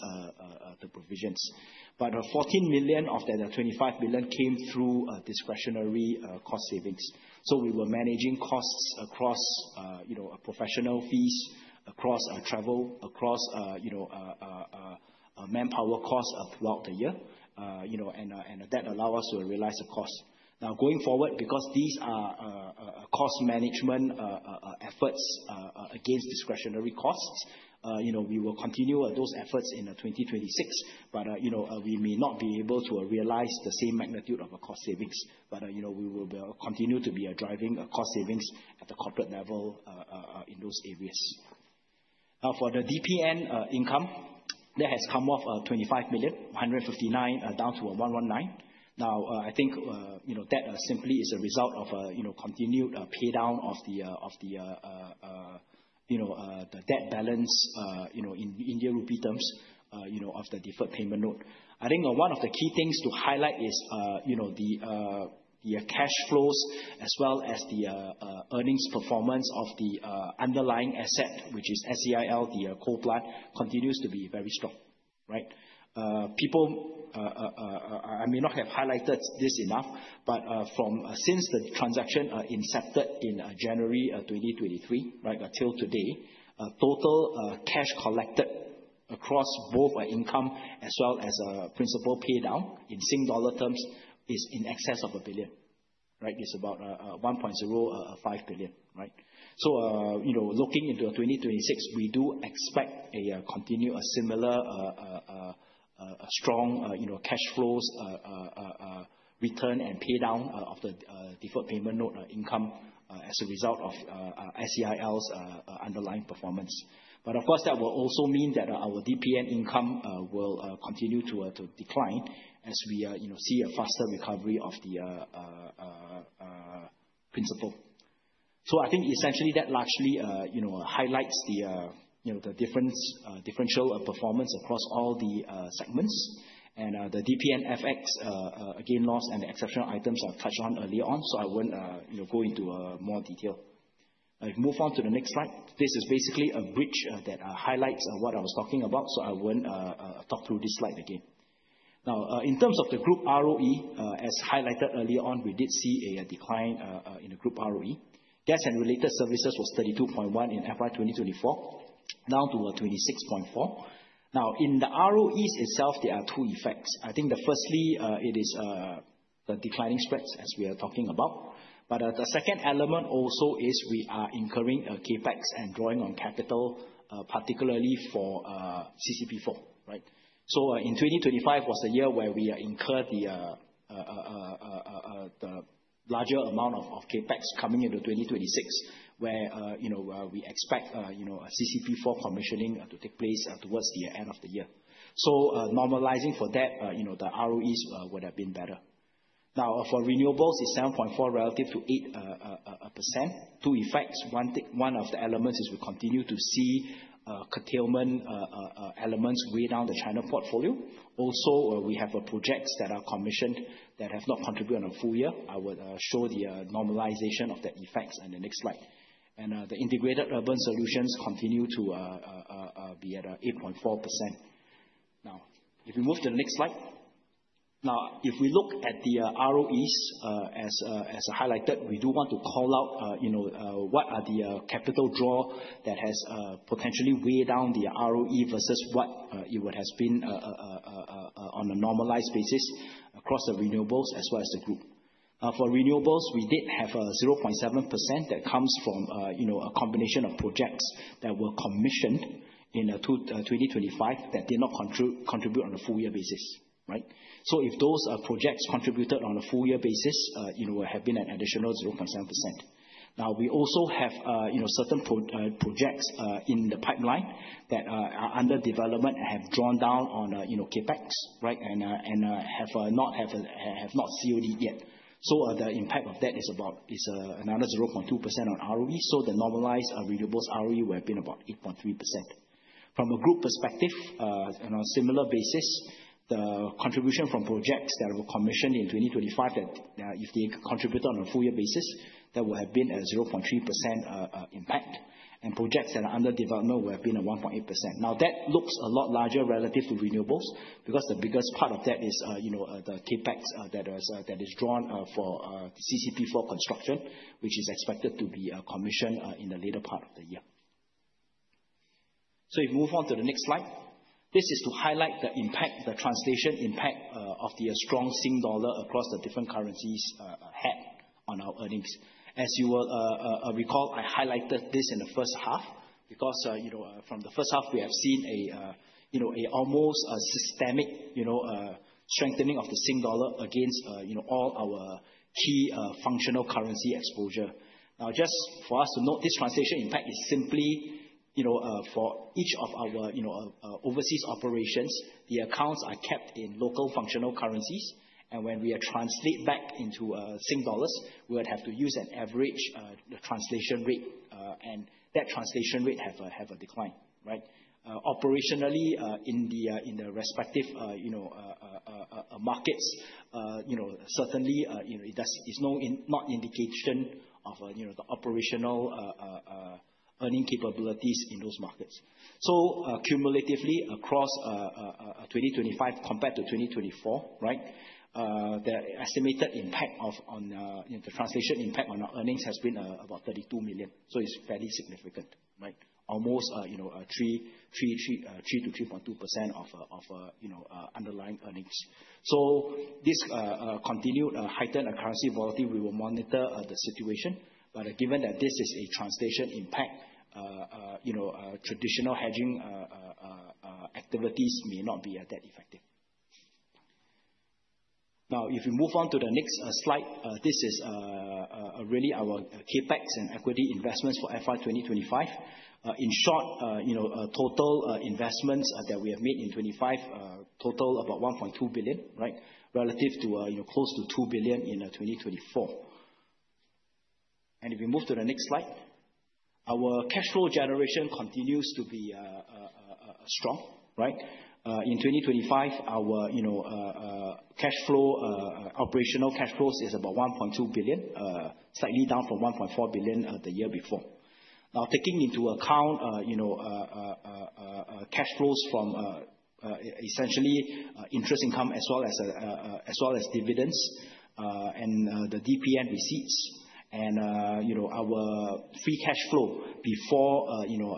the provisions. The 14 million of the 25 million came through discretionary cost savings. We were managing costs across, you know, professional fees, across travel, across, you know, manpower costs throughout the year. Uh, you know, and, uh, and that allow us to realize the cost. Now, going forward, because these are, uh, uh, cost management, uh, uh, uh, efforts, uh, against discretionary costs, uh, you know, we will continue with those efforts in uh, twenty twenty-six. But, uh, you know, we may not be able to realize the same magnitude of a cost savings, but, uh, you know, we will continue to be, uh, driving, uh, cost savings at the corporate level, uh, uh, uh, in those areas. Now, for the DPN, uh, income, that has come off, uh, twenty-five million, hundred and fifty-nine, uh, down to one one nine. I think, you know, that simply is a result of, you know, continued pay down of the, you know, the debt balance, you know, in Indian Rupee terms, you know, of the deferred payment note. I think, one of the key things to highlight is, you know, the cash flows, as well as the earnings performance of the underlying asset, which is SEIL, the coal plant, continues to be very strong, right. People, I may not have highlighted this enough, but, since the transaction, incepted in January of 2023, right, until today, total cash collected across both our income as well as principal paydown in Sing Dollar terms, is in excess of 1 billion. Right. It's about 1.05 billion, right? You know, looking into 2026, we do expect a continue a similar strong, you know, cash flows return and pay down of the deferred payment note income as a result of SCIL's underlying performance. Of course, that will also mean that our DPN income will continue to decline as we, you know, see a faster recovery of the principal. I think essentially, that largely, you know, highlights the, you know, the difference differential of performance across all the segments. The DPN FX gain loss and the exceptional items I touched on early on, I won't, you know, go into more detail. Move on to the next slide. This is basically a bridge that highlights what I was talking about, I won't talk through this slide again. In terms of the group ROE, as highlighted early on, we did see a decline in the group ROE. Gas and Related Services was 32.1% in FY 2024, down to 26.4%. In the ROEs itself, there are two effects. I think that firstly, it is the declining spreads as we are talking about. The second element also is we are incurring CapEx and drawing on capital particularly for CCP4, right? In 2025 was a year where we incurred the larger amount of CapEx coming into 2026, where, you know, we expect, you know, a CCP4 commissioning to take place towards the end of the year. Normalizing for that, you know, the ROEs would have been better. Now, for renewables, it's 7.4 relative to 8%. Two effects, one of the elements is we continue to see curtailment elements weigh down the China portfolio. We have projects that are commissioned that have not contributed on a full year. I will show the normalization of the effects on the next slide. The Integrated Urban Solutions continue to be at 8.4%. If you move to the next slide. If we look at the ROE, as highlighted, we do want to call out, you know, what are the capital draw that has potentially weighed down the ROE versus what it would have been on a normalized basis across the renewables as well as the group. For renewables, we did have a 0.7% that comes from, you know, a combination of projects that were commissioned in 2025, that did not contribute on a full year basis, right? If those projects contributed on a full year basis, it would have been an additional 0.7%. We also have, you know, certain projects in the pipeline that are under development and have drawn down on, you know, CapEx, right? And have not COD'd yet. The impact of that is about another 0.2% on ROE. The normalized renewables ROE would have been about 8.3%. From a group perspective, on a similar basis, the contribution from projects that were commissioned in 2025, that, if they contributed on a full year basis, that would have been a 0.3% impact, and projects that are under development would have been a 1.8%. That looks a lot larger relative to renewables, because the biggest part of that is, you know, the CapEx that is drawn for CCP4 construction, which is expected to be commissioned in the later part of the year. If you move on to the next slide. This is to highlight the impact, the translation impact, of the strong Sing Dollar across the different currencies had on our earnings. As you will recall, I highlighted this in the first half because, you know, from the first half, we have seen a, you know, a almost systemic, you know, strengthening of the Sing dollar against, you know, all our key functional currency exposure. Just for us to note, this translation, in fact, is simply, you know, for each of our, you know, overseas operations, the accounts are kept in local functional currencies, and when we translate back into Sing dollars, we would have to use an average translation rate, and that translation rate have a decline, right? Operationally, in the respective, you know, markets, you know, certainly, you know, it's not indication of, you know, the operational earning capabilities in those markets. Cumulatively, across 2025 compared to 2024, right, the estimated impact of on, you know, the translation impact on our earnings has been about 32 million, so it's fairly significant, right? Almost, you know, 3% to 3.2% of, you know, underlying earnings. This continued heightened currency volatility, we will monitor the situation, but given that this is a translation impact, you know, traditional hedging activities may not be that effective. If you move on to the next slide. This is really our CapEx and equity investments for FY 2025. In short, you know, total investments that we have made in 2025, total about 1.2 billion, right? Relative to, you know, close to 2 billion in 2024. If you move to the next slide. Our cash flow generation continues to be strong, right? In 2025, our, you know, cash flow, operational cash flows is about 1.2 billion, slightly down from 1.4 billion the year before. Taking into account, you know, cash flows from essentially interest income as well as dividends, and the DPN receipts. You know, our free cash flow before you know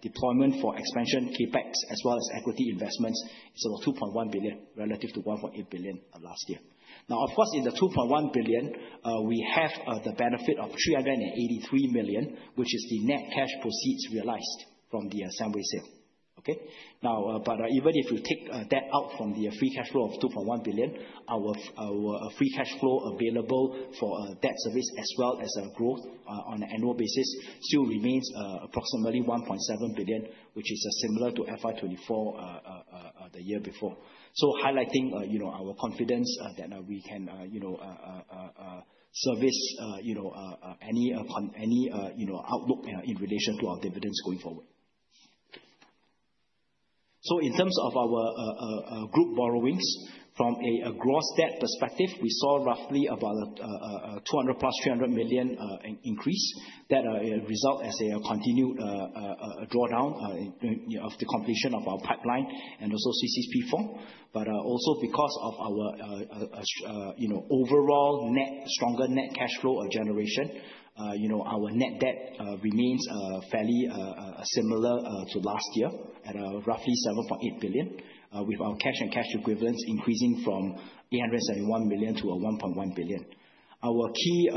deployment for expansion CapEx as well as equity investments, so 2.1 billion relative to 1.8 billion of last year. Of course, in the 2.1 billion, we have the benefit of 383 million, which is the net cash proceeds realized from the Sembcorp sale, okay? Even if you take that out from the free cash flow of 2.1 billion, our free cash flow available for debt service as well as growth on an annual basis, still remains approximately 1.7 billion, which is similar to FY 2024, the year before. Highlighting, you know, our confidence that we can, you know, service any outlook in relation to our dividends going forward. In terms of our group borrowings, from a gross debt perspective, we saw roughly about 200 million plus 300 million in increase. That result as a continued drawdown of the completion of our pipeline and also CCP4, also because of our overall net, stronger net cash flow of generation, our net debt remains fairly similar to last year at roughly 7.8 billion, with our cash and cash equivalents increasing from 871 million to 1.1 billion. Our key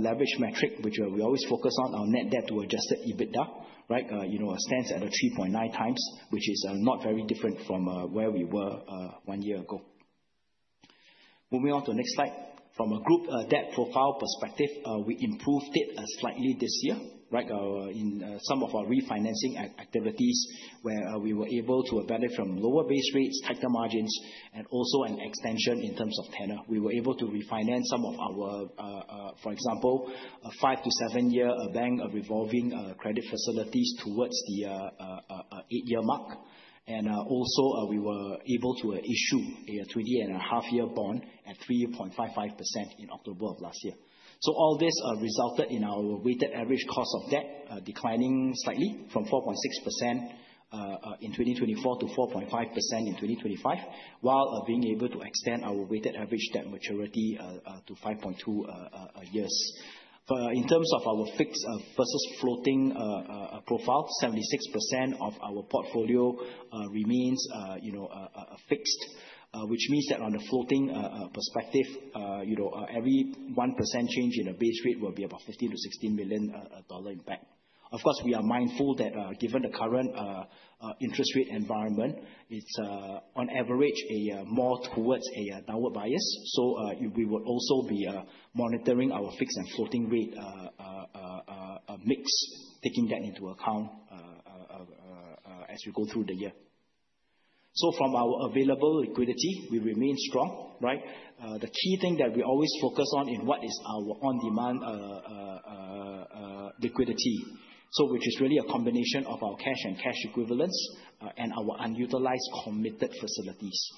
leverage metric, which we always focus on, our net debt to adjusted EBITDA, right, stands at a 3.9 times, which is not very different from where we were 1 year ago. Moving on to the next slide. From a group debt profile perspective, we improved it slightly this year, right? In some of our refinancing activities, where we were able to benefit from lower base rates, tighter margins and also an extension in terms of tenor. We were able to refinance some of our, for example, a 5-7-year bank of revolving credit facilities towards the 8-year mark. Also, we were able to issue a 2.5-year bond at 3.55% in October of last year. All this resulted in our weighted average cost of debt declining slightly from 4.6% in 2024, to 4.5% in 2025, while being able to extend our weighted average debt maturity to 5.2 years. In terms of our fixed versus floating profile, 76% of our portfolio remains, you know, fixed, which means that on a floating perspective, you know, every 1% change in a base rate will be about 50-16 million dollar impact. Of course, we are mindful that given the current interest rate environment, it's on average a more towards a downward bias. We will also be monitoring our fixed and floating rate mix, taking that into account as we go through the year. From our available liquidity, we remain strong, right? The key thing that we always focus on in what is our on-demand liquidity, which is really a combination of our cash and cash equivalents and our unutilized committed facilities.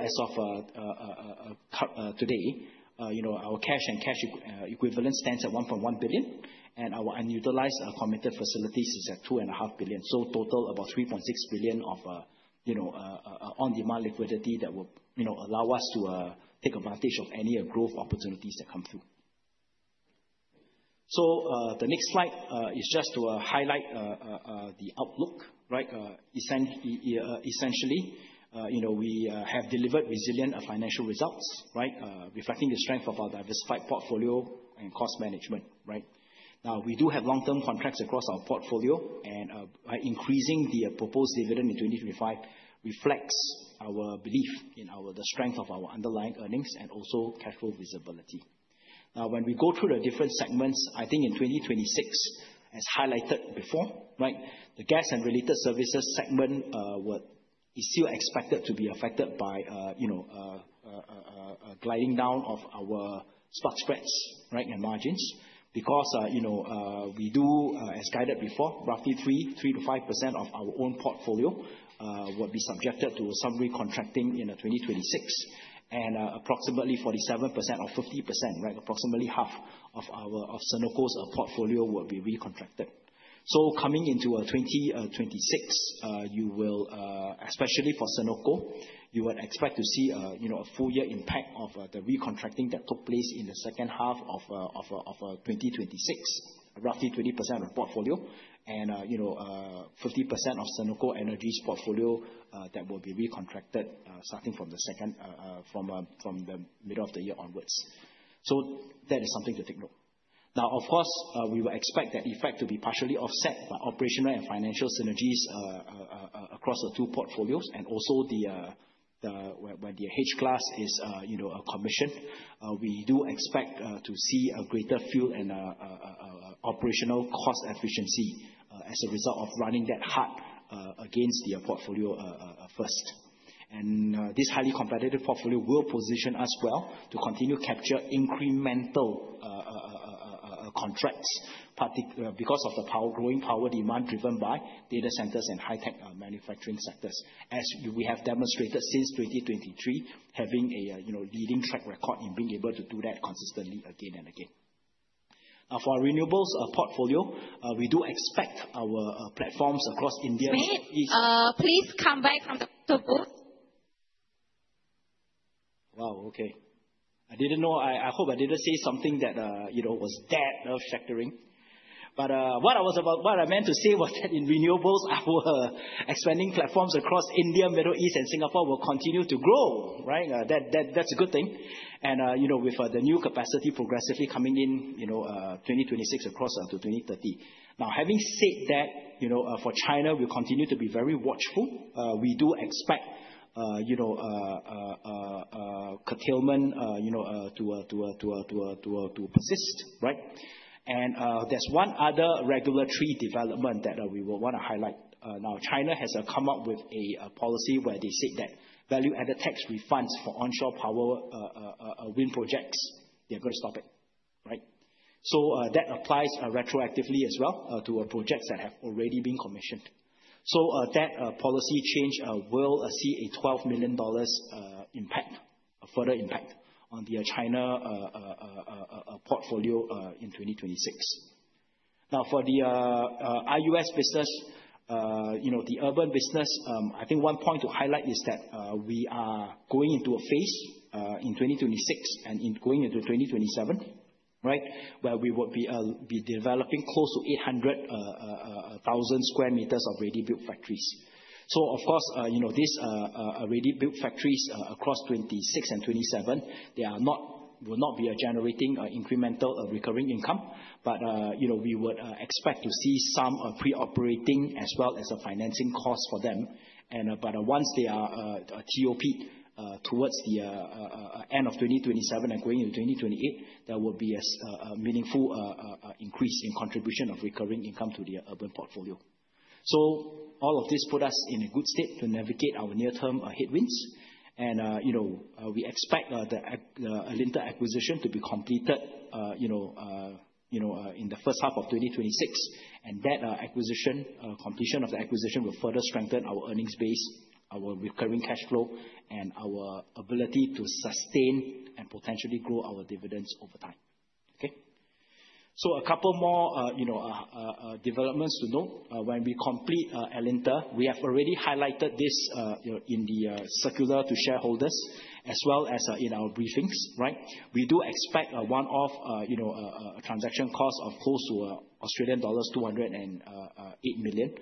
As of today, you know, our cash and cash equivalent stands at 1.1 billion, and our unutilized committed facilities is at 2.5 billion. Total, about 3.6 billion of, you know, on-demand liquidity that will, you know, allow us to take advantage of any growth opportunities that come through. The next slide is just to highlight the outlook, right? Essentially, you know, we have delivered resilient financial results, right? Reflecting the strength of our diversified portfolio and cost management, right? We do have long-term contracts across our portfolio, by increasing the proposed dividend in 2025 reflects our belief in the strength of our underlying earnings and also cash flow visibility. When we go through the different segments, I think in 2026, as highlighted before, right, the Gas and Related Services segment, what is still expected to be affected by, you know, gliding down of our spot spreads, right, and margins. You know, we do, as guided before, roughly 3-5% of our own portfolio, will be subjected to summary contracting in 2026, and approximately 47% or 50%, right, approximately half of Senoko's portfolio will be recontracted. Coming into 2026, you will, especially for Senoko, you would expect to see, you know, a full year impact of the recontracting that took place in the second half of 2026, roughly 20% of the portfolio. You know, 50% of Senoko Energy's portfolio that will be recontracted starting from the second from the middle of the year onwards. That is something to take note. Of course, we would expect that effect to be partially offset by operational and financial synergies across the two portfolios, and also the, where the H-class is, you know, a commission. We do expect to see a greater fuel and operational cost efficiency as a result of running that hard against the portfolio first. This highly competitive portfolio will position us well to continue to capture incremental contracts because of the power, growing power demand, driven by data centers and high-tech manufacturing sectors. As we have demonstrated since 2023, having a, you know, leading track record in being able to do that consistently again and again. For our renewables portfolio, we do expect our platforms across India. Wait, please come back, Dr. Booth. ...Wow, okay. I didn't know, I hope I didn't say something that, you know, was that earth-shattering. What I meant to say was that in renewables, our expanding platforms across India, Middle East, and Singapore will continue to grow, right? That's a good thing. You know, with the new capacity progressively coming in, you know, 2026 across until 2030. Having said that, you know, for China, we continue to be very watchful. We do expect, you know, curtailment, you know, to persist, right? There's one other regulatory development that we would wanna highlight. China has come up with a policy where they said that value-added tax refunds for onshore power wind projects, they're gonna stop it, right? That applies retroactively as well to projects that have already been commissioned. That policy change will see a 12 million dollars impact, a further impact on the China portfolio in 2026. For the IUS business, you know, the urban business, I think one point to highlight is that we are going into a phase in 2026 and in going into 2027, right? Where we would be developing close to 800,000 square meters of ready-built factories. Of course, you know, these ready-built factories across 2026 and 2027, will not be generating incremental recurring income. You know, we would expect to see some pre-operating as well as the financing costs for them. But once they are GOP towards the end of 2027 and going into 2028, there will be a meaningful increase in contribution of recurring income to the urban portfolio. All of this put us in a good state to navigate our near-term headwinds. You know, we expect the Alinta acquisition to be completed, you know, you know, in the first half of 2026. That acquisition, completion of the acquisition will further strengthen our earnings base, our recurring cash flow, and our ability to sustain and potentially grow our dividends over time. Okay? A couple more, you know, developments to note. When we complete Alinta, we have already highlighted this, you know, in the circular to shareholders as well as in our briefings, right? We do expect a one-off, you know, transaction cost of close to Australian dollars 208 million.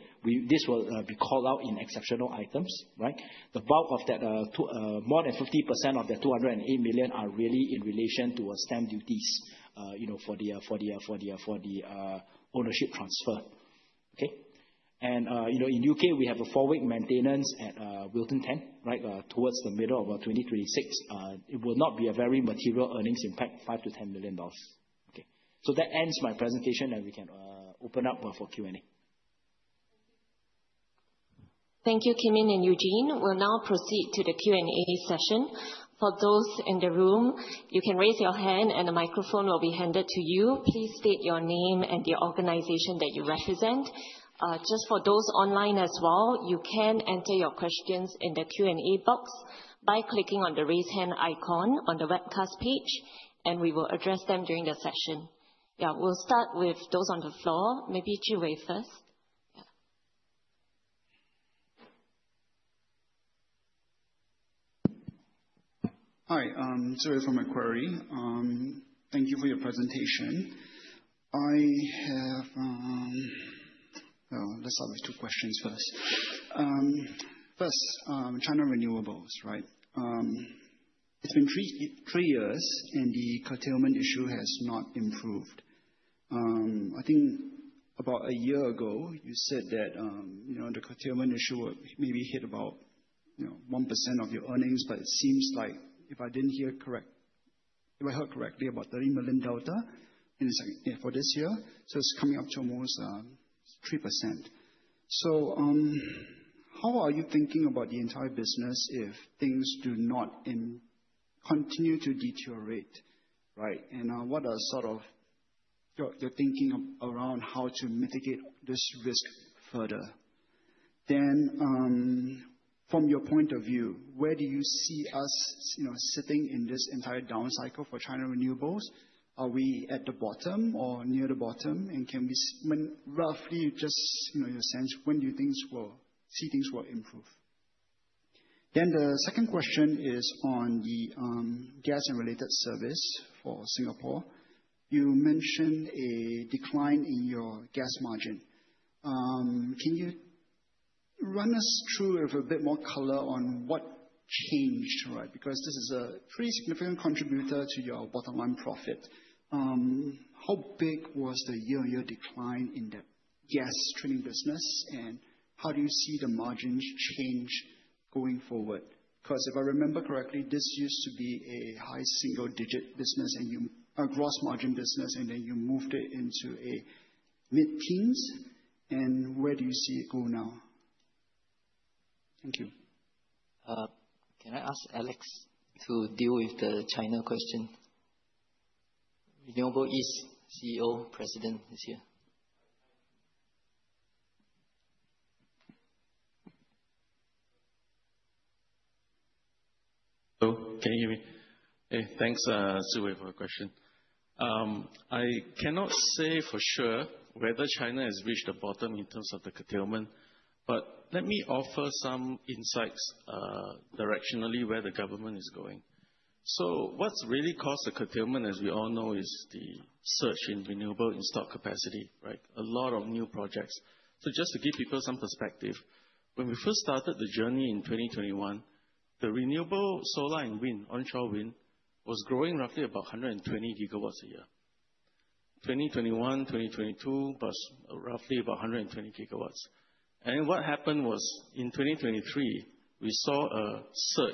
This will be called out in exceptional items, right? The bulk of that, two, more than 50% of that 208 million are really in relation to our stamp duties, you know, for the ownership transfer. Okay. You know, in UK, we have a 4-week maintenance at Wilton Ten, right, towards the middle of 2026. It will not be a very material earnings impact, 5 million-10 million dollars. Okay. That ends my presentation, and we can open up for Q&A. Thank you, Kim Yin and Eugene. We'll now proceed to the Q&A session. For those in the room, you can raise your hand, and a microphone will be handed to you. Please state your name and the organization that you represent. Just for those online as well, you can enter your questions in the Q&A box by clicking on the Raise Hand icon on the webcast page, and we will address them during the session. Yeah, we'll start with those on the floor. Maybe Zhi Wei first. Yeah. Hi, Zhi Wei from Macquarie. Thank you for your presentation. I have. Well, let's start with 2 questions first. First, China renewables, right? It's been 3 years, and the curtailment issue has not improved. I think about a year ago, you said that, you know, the curtailment issue would maybe hit about, you know, 1% of your earnings, but it seems like if I heard correctly, about 30 million delta, and it's like, yeah, for this year. It's coming up to almost 3%. How are you thinking about the entire business if things do not continue to deteriorate, right? What are sort of your thinking around how to mitigate this risk further? From your point of view, where do you see us, you know, sitting in this entire down cycle for China renewables? Are we at the bottom or near the bottom, and can we when, roughly, just, you know, your sense, when do things see things will improve? The second question is on the Gas and Related Services for Singapore. You mentioned a decline in your gas margin. Can you run us through with a bit more color on what changed, right? Because this is a pretty significant contributor to your bottom line profit. How big was the year-on-year decline in the gas trading business, and how do you see the margins change going forward? If I remember correctly, this used to be a high single-digit business, a gross margin business, you moved it into a mid-teens, where do you see it go now? Thank you. Can I ask Alex to deal with the China question? Renewable East CEO, President is here. Hello, can you hear me? Hey, thanks, Zhi Wei, for the question. I cannot say for sure whether China has reached the bottom in terms of the curtailment, but let me offer some insights directionally, where the government is going. What's really caused the curtailment, as we all know, is the search in renewable installed capacity, right? A lot of new projects. Just to give people some perspective, when we first started the journey in 2021, the renewable solar and wind, onshore wind, was growing roughly about 120 GW a year. 2021, 2022, was roughly about 120 GW. What happened was, in 2023, we saw a surge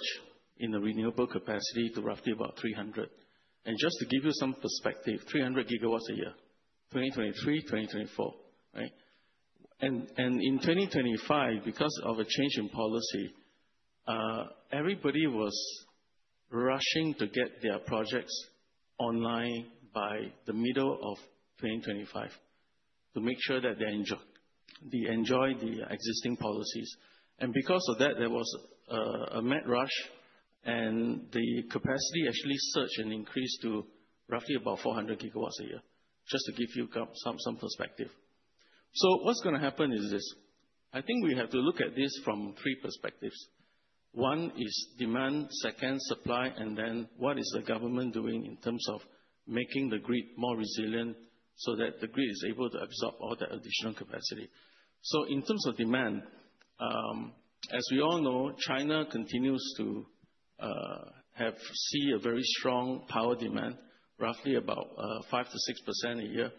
in the renewable capacity to roughly about 300. Just to give you some perspective, 300 GW a year, 2023, 2024, right? In 2025, because of a change in policy, everybody was rushing to get their projects online by the middle of 2025 to make sure that they enjoy the existing policies. Because of that, there was a mad rush, and the capacity actually surged and increased to roughly about 400 GW a year, just to give you some perspective. What's gonna happen is this: I think we have to look at this from three perspectives. One is demand, second, supply, and then what is the government doing in terms of making the grid more resilient so that the grid is able to absorb all the additional capacity? In terms of demand, as we all know, China continues to see a very strong power demand, roughly about 5%-6% a year,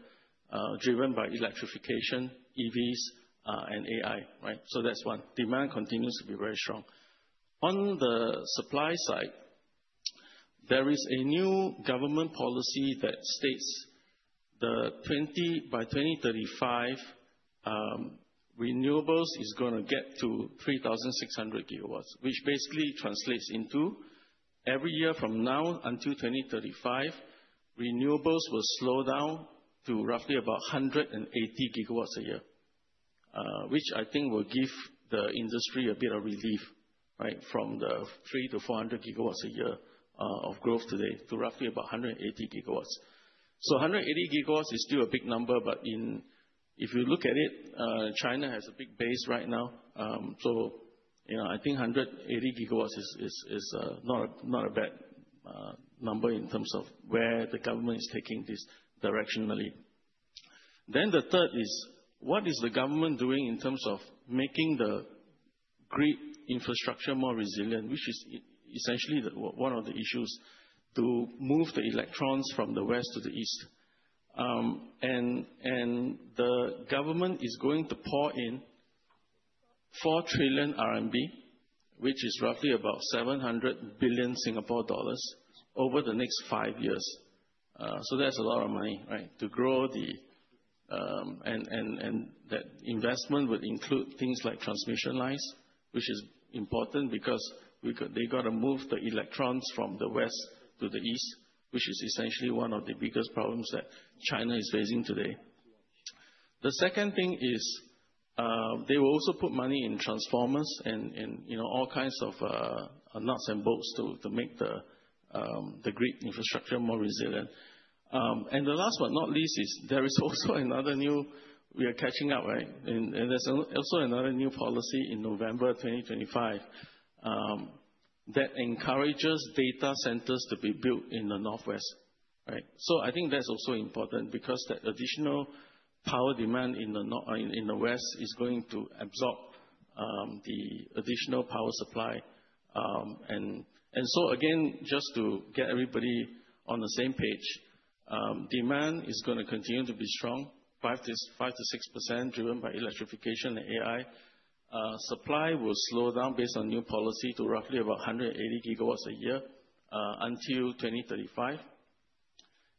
driven by electrification, EVs, and AI, right? That's 1. Demand continues to be very strong. On the supply side, there is a new government policy that states by 2035, renewables is going to get to 3,600 gigawatts, which basically translates into every year from now until 2035, renewables will slow down to roughly about 180 gigawatts a year. Which I think will give the industry a bit of relief, right? From the 300-400 gigawatts a year of growth today, to roughly about 180 gigawatts. 180 gigawatts is still a big number, but in... If you look at it, China has a big base right now. You know, I think 180 gigawatts is not a bad number in terms of where the government is taking this directionally. The third is, what is the government doing in terms of making the grid infrastructure more resilient, which is essentially the, one of the issues, to move the electrons from the west to the east. The government is going to pour in 4 trillion RMB, which is roughly about 700 billion Singapore dollars, over the next 5 years. That's a lot of money, right? That investment would include things like transmission lines, which is important because they got to move the electrons from the west to the east, which is essentially one of the biggest problems that China is facing today. Second thing is, they will also put money in transformers and, you know, all kinds of nuts and bolts to make the grid infrastructure more resilient. Last, but not least, is there is also. We are catching up, right? There's also another new policy in November of 2025 that encourages data centers to be built in the northwest, right? I think that's also important because the additional power demand in the west is going to absorb the additional power supply. Again, just to get everybody on the same page, demand is gonna continue to be strong, 5%-6%, driven by electrification and AI. Supply will slow down based on new policy to roughly about 180 gigawatts a year, until 2035.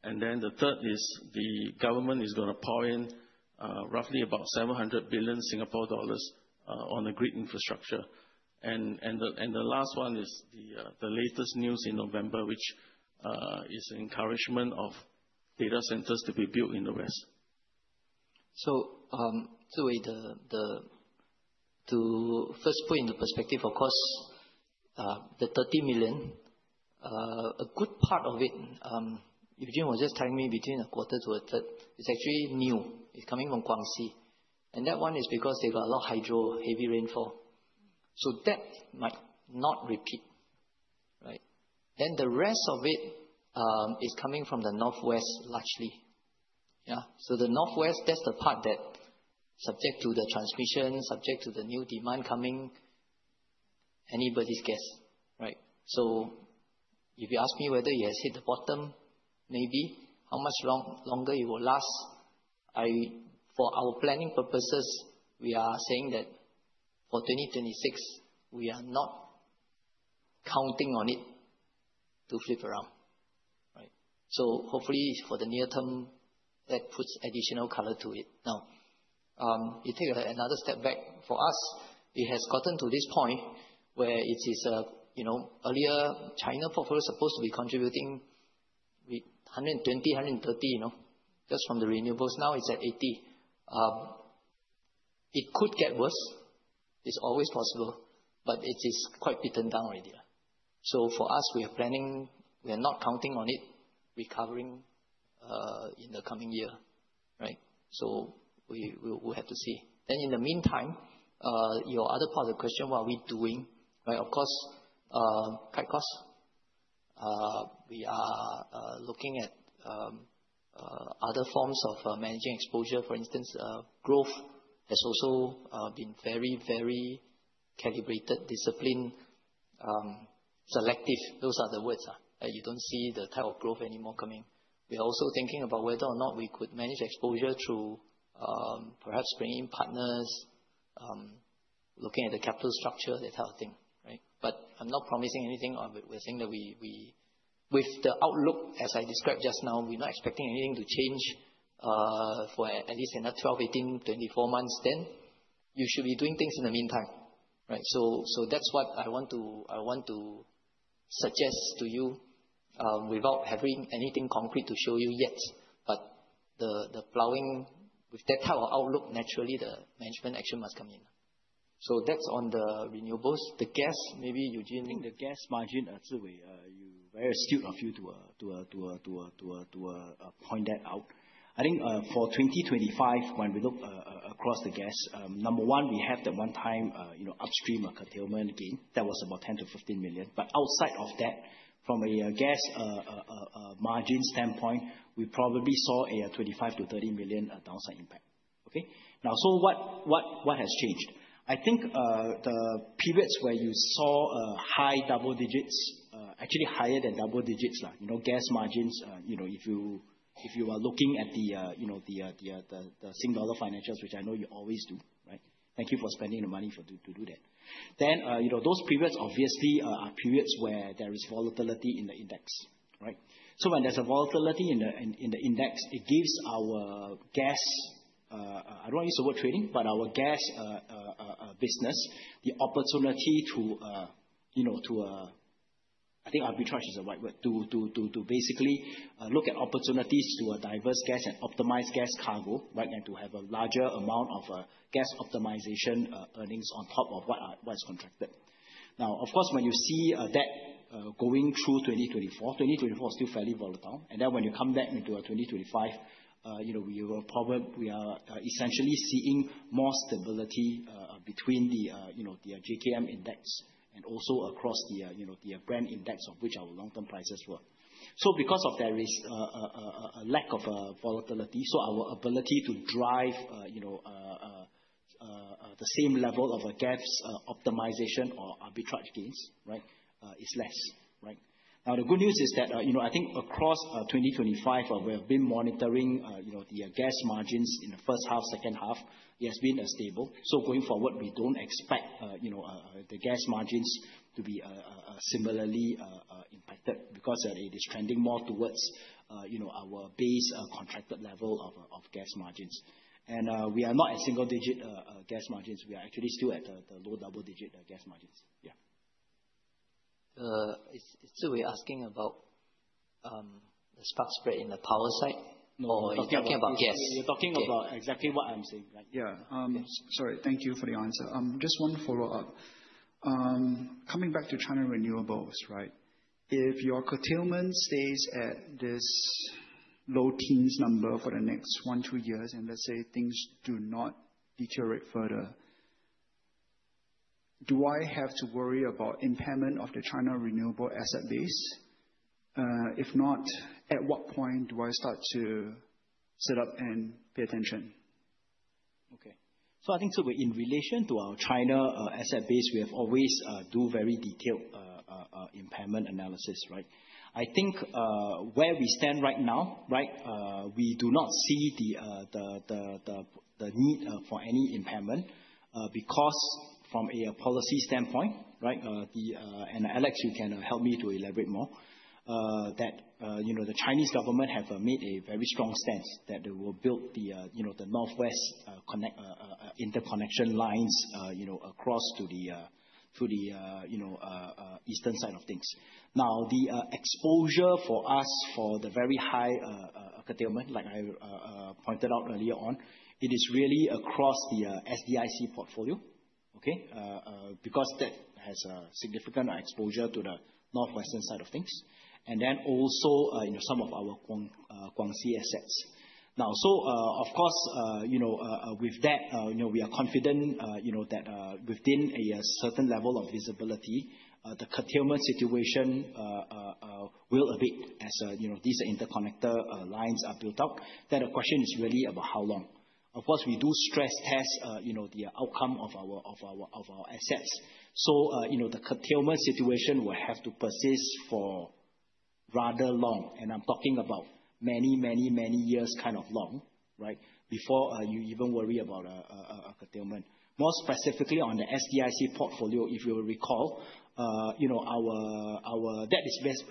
The third is the government is gonna pour in, roughly about 700 billion Singapore dollars, on the grid infrastructure. The last one is the latest news in November, which is encouragement of data centers to be built in the west. Zhi Wei, to first put into perspective, of course, the 30 million, a good part of it, Eugene was just telling me between a quarter to a third, is actually new. It's coming from Guangxi, that one is because they've got a lot of hydro, heavy rainfall. That might not repeat, right? The rest of it is coming from the northwest, largely. Yeah. The northwest, that's the part that's subject to the transmission, subject to the new demand coming. Anybody's guess, right? If you ask me whether it has hit the bottom, maybe. How much longer it will last, I... For our planning purposes, we are saying that for 2026, we are not counting on it to flip around, right? Hopefully, for the near term, that puts additional color to it. You take another step back. For us, it has gotten to this point where it is, you know, earlier, China portfolio is supposed to be contributing with 120 million-130 million, you know, just from the renewables. It's at 80 million. It could get worse. It's always possible, but it is quite beaten down already. For us, we are planning, we are not counting on it recovering in the coming year, right? We, we'll have to see. In the meantime, your other part of the question, what are we doing, right? Of course, cut costs. We are looking at other forms of managing exposure. For instance, growth has also been very, very calibrated, disciplined, selective. Those are the words, you don't see the type of growth anymore coming. We are also thinking about whether or not we could manage exposure through perhaps bringing partners, looking at the capital structure, that type of thing, right? I'm not promising anything. We're saying that we, with the outlook, as I described just now, we're not expecting anything to change, for at least another 12, 18, 24 months, you should be doing things in the meantime, right? That's what I want to suggest to you, without having anything concrete to show you yet. The plowing with that type of outlook, naturally the management action must come in. That's on the renewables. The gas, maybe, Eugene, I think the gas margin, we, you very astute of you to point that out. I think, for 2025, when we look across the gas, number one, we have the one time, you know, upstream or curtailment gain. That was about 10 million-15 million. Outside of that, from a gas margin standpoint, we probably saw a 25 million-30 million downside impact. Okay? What has changed? I think the periods where you saw a high double digits, actually higher than double digits, you know, gas margins. You know, if you, if you are looking at the, you know, the SGD financials, which I know you always do, right? Thank you for spending the money for, to do that. Those periods obviously are periods where there is volatility in the index, right? When there's a volatility in the index, it gives our gas, I don't want to use the word trading, but our gas business, the opportunity to, you know, to, I think arbitrage is the right word. To basically look at opportunities to diverse gas and optimize gas cargo, right? To have a larger amount of gas optimization earnings on top of what is contracted. Of course, when you see that going through 2024 is still fairly volatile. When you come back into 2025, you know, we are essentially seeing more stability between the, you know, the JKM index and also across the, you know, the Brent index of which our long-term prices were. Because of there is a lack of volatility, so our ability to drive, you know, the same level of a gas optimization or arbitrage gains, right, is less, right. The good news is that, you know, I think across 2025, we have been monitoring, you know, the gas margins in the first half, second half, it has been stable. Going forward, we don't expect, you know, the gas margins to be similarly impacted because it is trending more towards, you know, our base, contracted level of gas margins. We are not at single digit gas margins. We are actually still at the low double digit gas margins. Yeah. It's still we're asking about the spark spread in the power side? No. You're talking about gas. You're talking about exactly what I'm saying, right? Sorry. Thank you for the answer. Just 1 follow-up. Coming back to China renewables, right? If your curtailment stays at this low teens number for the next 1, 2 years, and let's say things do not deteriorate further, do I have to worry about impairment of the China renewable asset base? If not, at what point do I start to sit up and pay attention? Okay. I think so in relation to our China asset base, we have always do very detailed impairment analysis, right. I think where we stand right now, right, we do not see the need for any impairment because from a policy standpoint, right, the and, Alex, you can help me to elaborate more, that, you know, the Chinese government have made a very strong stance that they will build the, you know, the northwest connect interconnection lines, you know, across to the to the, you know, eastern side of things. The exposure for us for the very high curtailment, like I pointed out earlier on, it is really across the SDIC portfolio, okay. Because that has a significant exposure to the northwestern side of things. Also, you know, some of our Guangxi assets. Of course, you know, with that, you know, we are confident, you know, that within a certain level of visibility, the curtailment situation will abate as, you know, these interconnector lines are built out. The question is really about how long? Of course, we do stress test, you know, the outcome of our assets. You know, the curtailment situation will have to persist for rather long, and I'm talking about many, many, many years kind of long, right? Before you even worry about curtailment. More specifically on the SDIC portfolio, if you will recall, you know, that is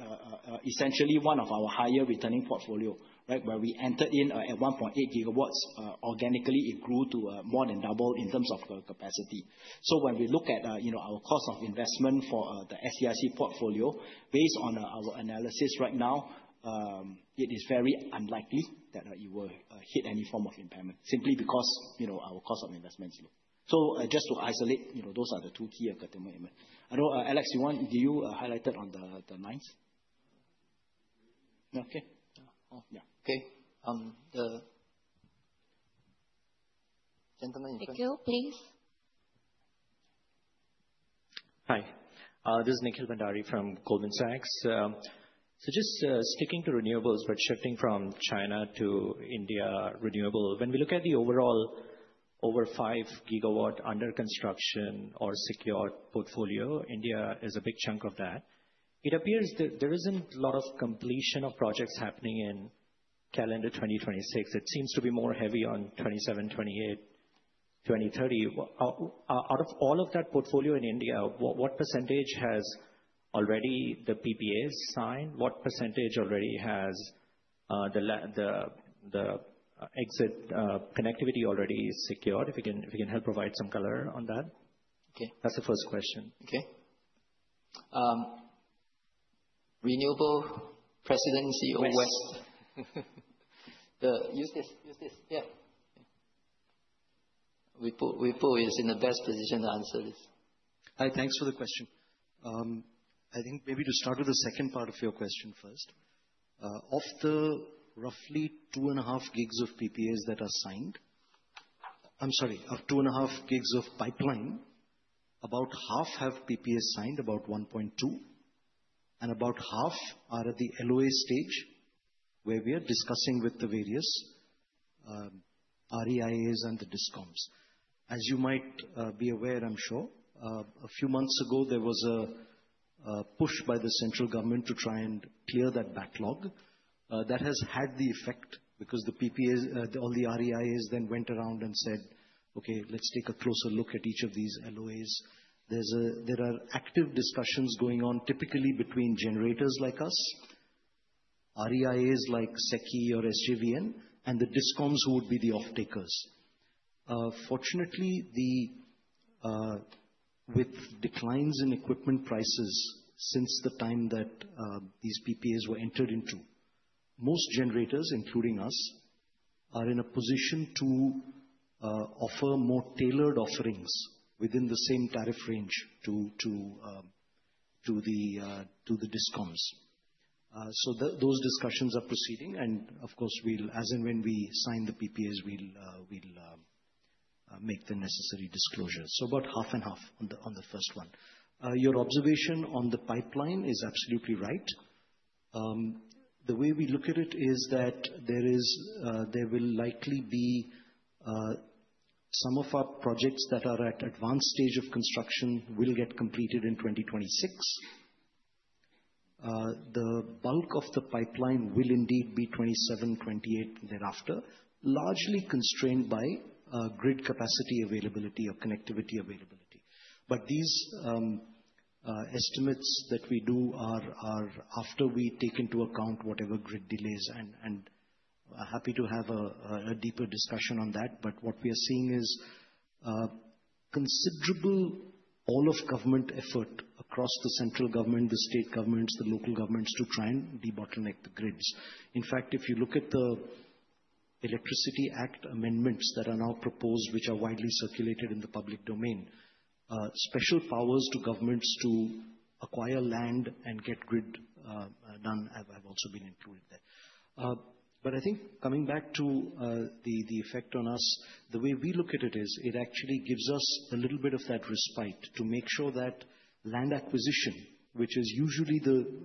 essentially one of our higher returning portfolio, right? Where we entered in at 1.8 gigawatts, organically, it grew to more than double in terms of capacity. When we look at, you know, our cost of investment for the SDIC portfolio, based on our analysis right now, it is very unlikely that it will hit any form of impairment, simply because, you know, our cost of investments. Just to isolate, you know, those are the two key acumen. I know, Alex, do you highlight it on the ninth? Okay. Yeah. Okay. The gentleman in front. Nikhil, please. Hi, this is Nikhil Bhandari from Goldman Sachs. Just sticking to renewables, but shifting from China to India renewable. When we look at the overall over 5 GW under construction or secured portfolio, India is a big chunk of that. It appears that there isn't a lot of completion of projects happening in calendar 2026. It seems to be more heavy on 2027, 2028, 2030. Out of all of that portfolio in India, what percentage has already the PPAs signed? What % already has the exit connectivity already secured? If you can help provide some color on that. Okay. That's the first question. Okay. renewable President CEO West. use this. Yeah. Vipul is in the best position to answer this. Hi, thanks for the question. I think maybe to start with the second part of your question first. Of the roughly 2.5 gigs of pipeline, about half have PPAs signed, about 1.2, and about half are at the LOA stage, where we are discussing with the various REIA and the DISCOMs. As you might be aware, I'm sure, a few months ago, there was a push by the central government to try and clear that backlog. That has had the effect because the PPAs, all the REIA then went around and said, "Okay, let's take a closer look at each of these LOAs." There are active discussions going on, typically between generators like us, REIA, like SECI or SJVN, and the DISCOMs who would be the offtakers. Fortunately, the with declines in equipment prices since the time that these PPAs were entered into, most generators, including us, are in a position to offer more tailored offerings within the same tariff range to the DISCOMs. Those discussions are proceeding, and of course, we'll, as and when we sign the PPAs, we'll make the necessary disclosures. About half and half on the, on the first one. Your observation on the pipeline is absolutely right. The way we look at it is that there will likely be some of our projects that are at advanced stage of construction will get completed in 2026. The bulk of the pipeline will indeed be 2027, 2028, thereafter, largely constrained by grid capacity availability or connectivity availability. These estimates that we do are after we take into account whatever grid delays, and happy to have a deeper discussion on that. What we are seeing is considerable all of government effort across the central government, the state governments, the local governments, to try and debottleneck the grids. In fact, if you look at the Electricity Act amendments that are now proposed, which are widely circulated in the public domain, special powers to governments to acquire land and get grid done have also been included there. I think coming back to the effect on us, the way we look at it is, it actually gives us a little bit of that respite to make sure that land acquisition, which is usually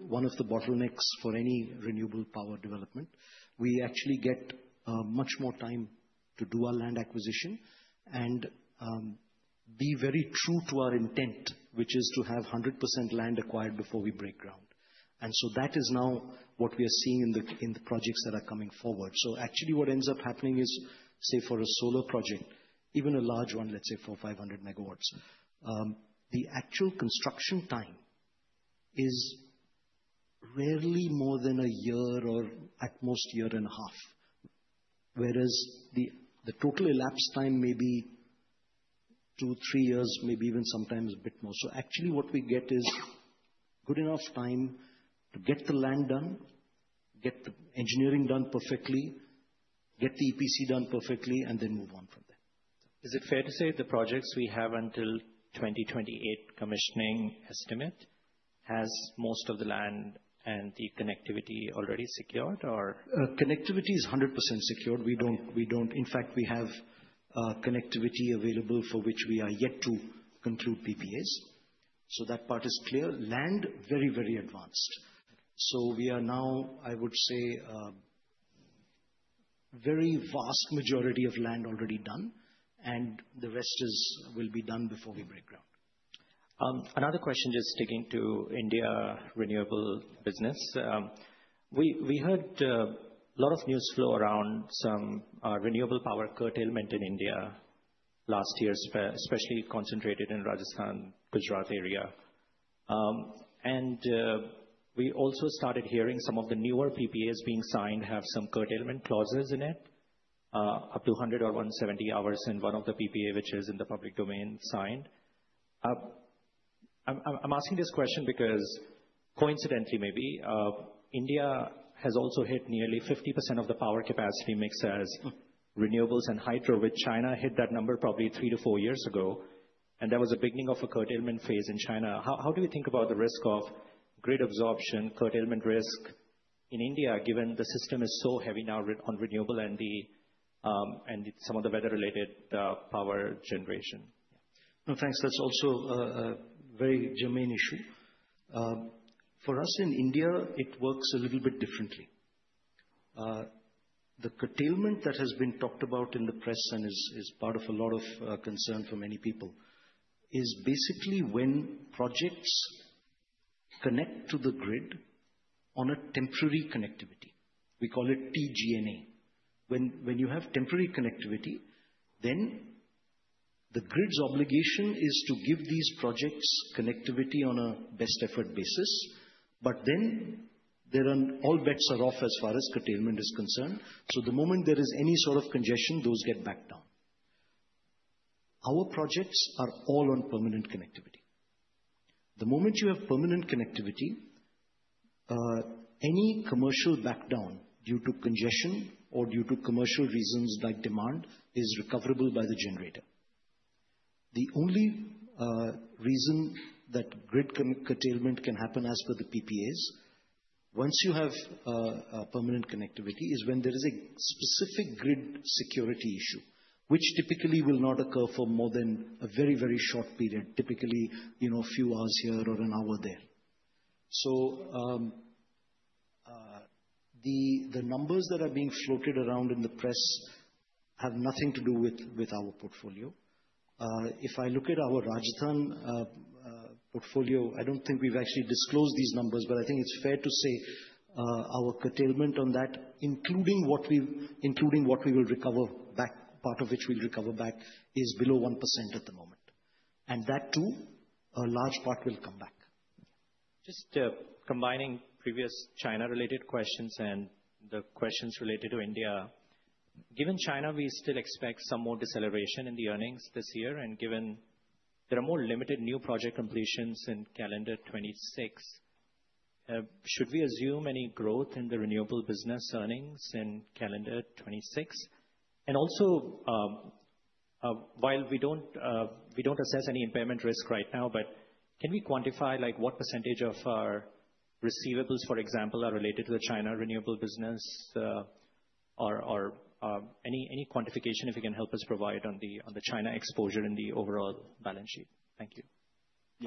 one of the bottlenecks for any renewable power development, we actually get much more time to do our land acquisition. Be very true to our intent, which is to have 100% land acquired before we break ground. That is now what we are seeing in the projects that are coming forward. Actually, what ends up happening is, say, for a solar project, even a large one, let's say 4, 500 megawatts, the actual construction time is rarely more than 1 year, or at most, 1 year and a half, whereas the total elapsed time may be 2, 3 years, maybe even sometimes a bit more. Actually, what we get is good enough time to get the land done, get the engineering done perfectly, get the EPC done perfectly, and then move on from there. Is it fair to say the projects we have until 2028 commissioning estimate, has most of the land and the connectivity already secured, or? Connectivity is 100% secured. In fact, we have connectivity available for which we are yet to conclude PPAs. That part is clear. Land, very, very advanced. We are now, I would say, very vast majority of land already done, and the rest is, will be done before we break ground. Another question, just sticking to India renewable business. We heard, a lot of news flow around some, renewable power curtailment in India. last year, especially concentrated in Rajasthan, Gujarat area. We also started hearing some of the newer PPAs being signed, have some curtailment clauses in it, up to 100 or 170 hours in one of the PPA, which is in the public domain signed. I'm asking this question because coincidentally, maybe, India has also hit nearly 50% of the power capacity mix as renewables and hydro, with China hit that number probably 3 to 4 years ago, and there was a beginning of a curtailment phase in China. How do we think about the risk of grid absorption, curtailment risk in India, given the system is so heavy now on renewable and the, and some of the weather-related, power generation? No, thanks. That's also a very germane issue. For us, in India, it works a little bit differently. The curtailment that has been talked about in the press and is part of a lot of concern for many people, is basically when projects connect to the grid on a temporary connectivity. We call it T-GNA. When you have temporary connectivity, the grid's obligation is to give these projects connectivity on a best effort basis, all bets are off as far as curtailment is concerned. The moment there is any sort of congestion, those get backed down. Our projects are all on permanent connectivity. The moment you have permanent connectivity, any commercial backdown due to congestion or due to commercial reasons like demand, is recoverable by the generator. The only reason that grid curtailment can happen as per the PPAs, once you have a permanent connectivity, is when there is a specific grid security issue, which typically will not occur for more than a very, very short period, typically, you know, a few hours here or an hour there. The numbers that are being floated around in the press have nothing to do with our portfolio. If I look at our Rajasthan portfolio, I don't think we've actually disclosed these numbers, but I think it's fair to say our curtailment on that, including what we will recover back, part of which we'll recover back, is below 1% at the moment, and that, too, a large part will come back. Just combining previous China-related questions and the questions related to India. Given China, we still expect some more deceleration in the earnings this year, and given there are more limited new project completions in calendar 2026, should we assume any growth in the renewable business earnings in calendar 2026? Also, while we don't, we don't assess any impairment risk right now, but can we quantify, like what % of our receivables, for example, are related to the China renewable business? Or, any quantification, if you can help us provide on the China exposure and the overall balance sheet. Thank you.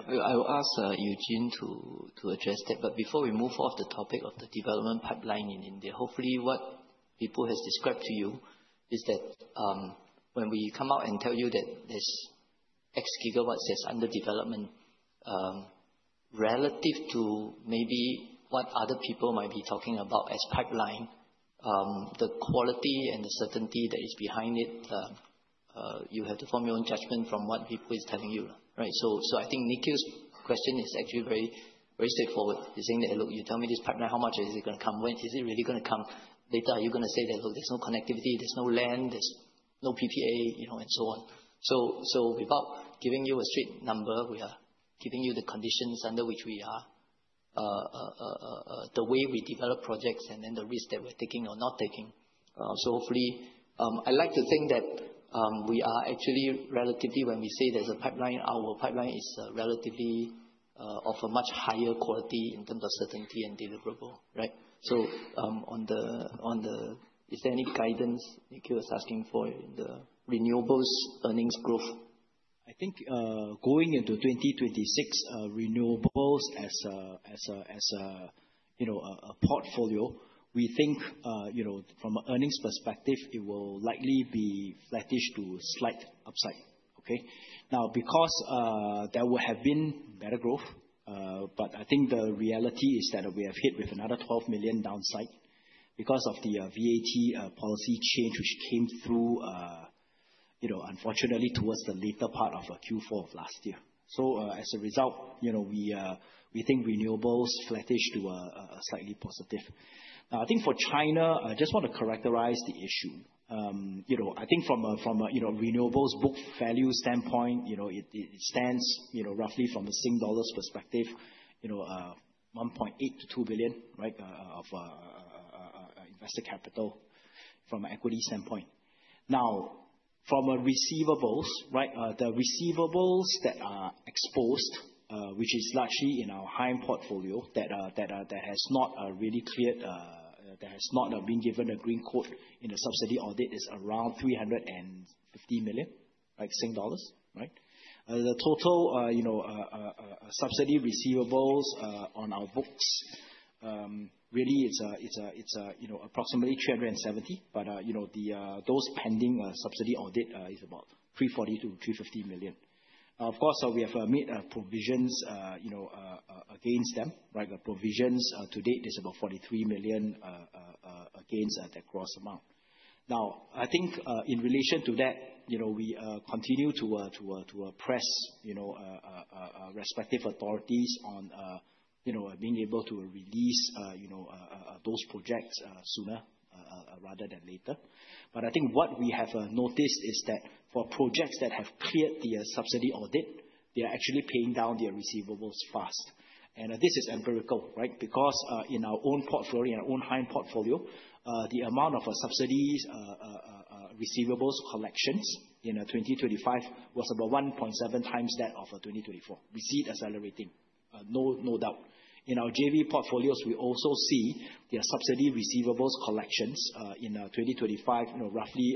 I will ask Eugene to address that. Before we move off the topic of the development pipeline in India, hopefully what people has described to you is that, when we come out and tell you that there's X gigawatts is under development, relative to maybe what other people might be talking about as pipeline, the quality and the certainty that is behind it, you have to form your own judgment from what people is telling you, right? I think Niki's question is actually very straightforward. He's saying that: Look, you tell me this partner, how much is it gonna come? When is it really gonna come? Later, are you gonna say that, "Look, there's no connectivity, there's no land, there's no PPA," you know, and so on. Without giving you a straight number, we are giving you the conditions under which we are the way we develop projects and then the risk that we're taking or not taking. Hopefully, I like to think that we are actually relatively when we say there's a pipeline, our pipeline is relatively of a much higher quality in terms of certainty and deliverable, right? Is there any guidance Niki was asking for in the renewables earnings growth? I think, going into 2026, renewables as a, you know, a portfolio, we think, you know, from an earnings perspective, it will likely be flattish to slight upside. Okay? Because, there would have been better growth, but I think the reality is that we have hit with another 12 million downside because of the VAT policy change, which came through, you know, unfortunately towards the later part of Q4 of last year. As a result, you know, we think renewables flattish to a slightly positive. I think for China, I just want to characterize the issue. You know, I think from a, from a, you know, renewables book value standpoint, you know, it stands, you know, roughly from a SGD perspective, you know, 1.8 billion-2 billion, right, of invested capital from an equity standpoint. Now, from a receivables, right, the receivables that are exposed, which is largely in our hydro portfolio that has not really cleared, that has not been given a green code in the subsidy audit is around 350 million, like SGD, right. The total, you know, subsidy receivables on our books, really it's a, you know, approximately 370 million. You know, those pending subsidy audit is about 340 million-350 million. Of course, we have made provisions, you know, against them, right? The provisions to date is about 43 million against that gross amount. I think, in relation to that, you know, we continue to press, you know, respective authorities on, you know, being able to release, you know, those projects sooner rather than later. I think what we have noticed is that for projects that have cleared their subsidy audit, they are actually paying down their receivables fast. This is empirical, right? Because, in our own portfolio, in our own hydro portfolio, the amount of subsidies, receivables collections in 2025 was about 1.7 times that of 2024. We see it accelerating, no doubt. In our JV portfolios, we also see their subsidy receivables collections, in 2025, you know, roughly,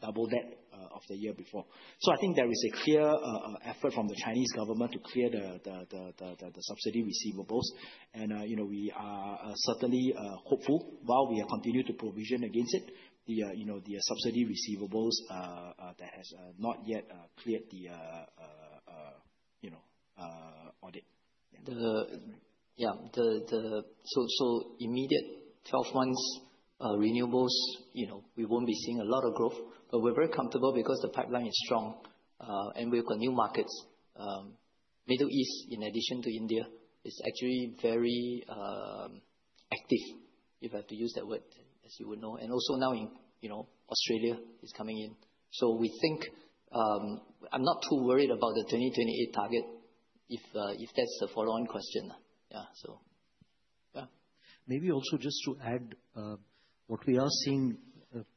double that of the year before. I think there is a clear effort from the Chinese government to clear the subsidy receivables. You know, we are certainly hopeful while we continue to provision against it, the, you know, the subsidy receivables that has not yet cleared the, you know, audit. Yeah, the so immediate 12 months, renewables, you know, we won't be seeing a lot of growth, but we're very comfortable because the pipeline is strong, and we've got new markets. Middle East, in addition to India, is actually very active, if I have to use that word, as you would know, and also now in, you know, Australia is coming in. We think, I'm not too worried about the 2028 target, if that's the follow-on question. Yeah. Yeah. Maybe also just to add, what we are seeing,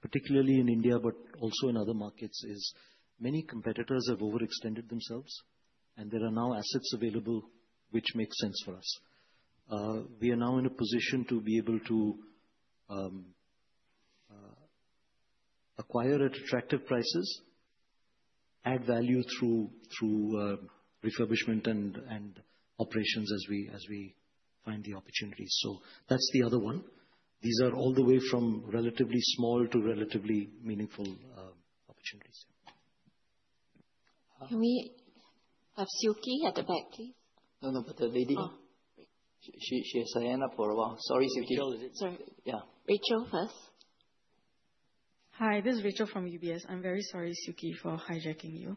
particularly in India, but also in other markets, is many competitors have overextended themselves, and there are now assets available, which makes sense for us. We are now in a position to be able to, acquire at attractive prices, add value through refurbishment and operations as we find the opportunities. That's the other one. These are all the way from relatively small to relatively meaningful, opportunities. Can we have Silky at the back, please? No, no, but. Oh. She has signed up for a while. Sorry, Silky. Sorry. Yeah. Rachel first. Hi, this is Rachel from UBS. I'm very sorry, Silky, for hijacking you.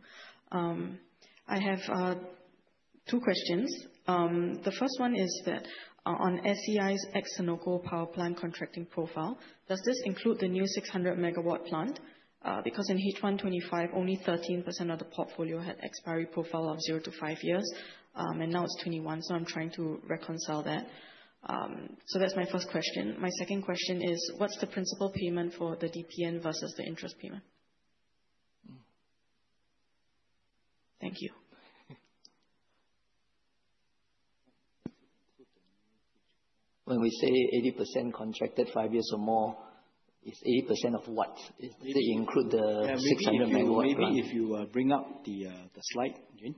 I have 2 questions. The first one is that, on SEI's Senoko Energy power plant contracting profile, does this include the new 600 MW plant? Because in 1H2025, only 13% of the portfolio had expiry profile of 0-5 years, and now it's 21, I'm trying to reconcile that. That's my first question. My second question is, what's the principal payment for the DPN versus the interest payment? Mm. Thank you. When we say 80% contracted 5 years or more, it's 80% of what? Does it include the 600 megawatt plant? Maybe if you bring up the slide, Gene.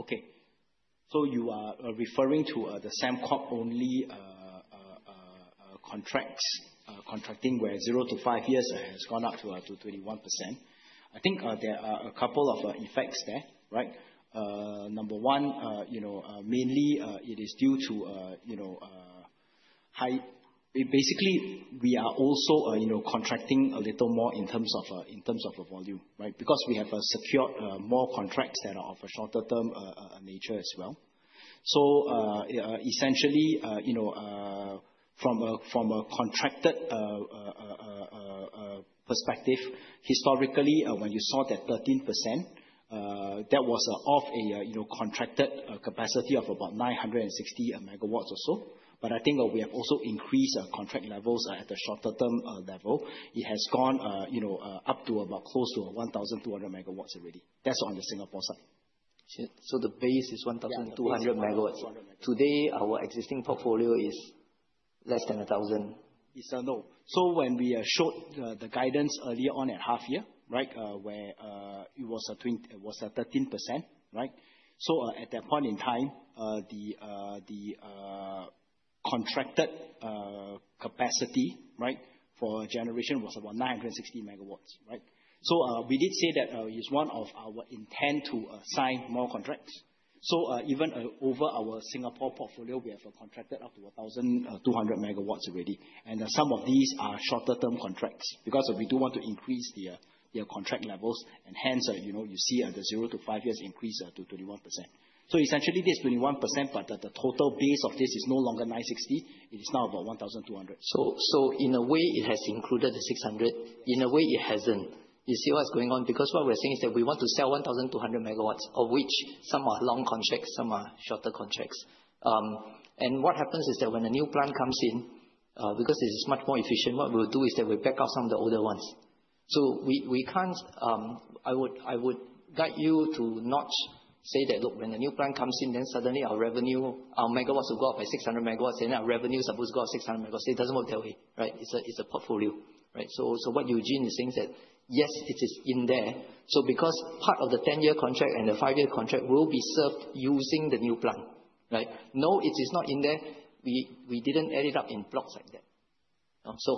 Okay. You are referring to the Sembcorp only contracts, contracting, where 0-5 years has gone up to 21%. I think there are a couple of effects there, right? Number 1, you know, mainly, it is due to you know, basically, we are also, you know, contracting a little more in terms of the volume, right? We have secured more contracts that are of a shorter-term nature as well. Essentially, you know, from a contracted perspective, historically, when you saw that 13%, that was off a, you know, contracted capacity of about 960 MW or so. I think, we have also increased our contract levels at the shorter term level. It has gone, you know, up to about close to 1,200 megawatts already. That's on the Singapore side. The base is 1,200 megawatts. Today, our existing portfolio is less than 1,000? It's No. When we showed the guidance earlier on at half year, right. Where it was a 13%, right. At that point in time, the contracted capacity for generation was about 960 megawatts, right. We did say that is one of our intent to sign more contracts. Even over our Singapore portfolio, we have contracted up to 1,200 megawatts already. Some of these are shorter term contracts, because we do want to increase the contract levels, and hence, you know, you see the 0-5 years increase to 21%. Essentially, this 21%, but the total base of this is no longer 960, it is now about 1,200. In a way, it has included the 600. In a way, it hasn't. You see what's going on? Because what we're saying is that we want to sell 1,200 megawatts, of which some are long contracts, some are shorter contracts. And what happens is that when a new plant comes in, because it is much more efficient, what we'll do is that we back out some of the older ones. We can't. I would guide you to not say that, "Look, when the new plant comes in, then suddenly our revenue, our megawatts will go up by 600 megawatts, and our revenue suppose go up 600 megawatts." It doesn't work that way, right? It's a portfolio, right? What Eugene is saying is that, yes, it is in there. Because part of the 10-year contract and the 5-year contract will be served using the new plant, right? No, it is not in there. We didn't add it up in blocks like that. ...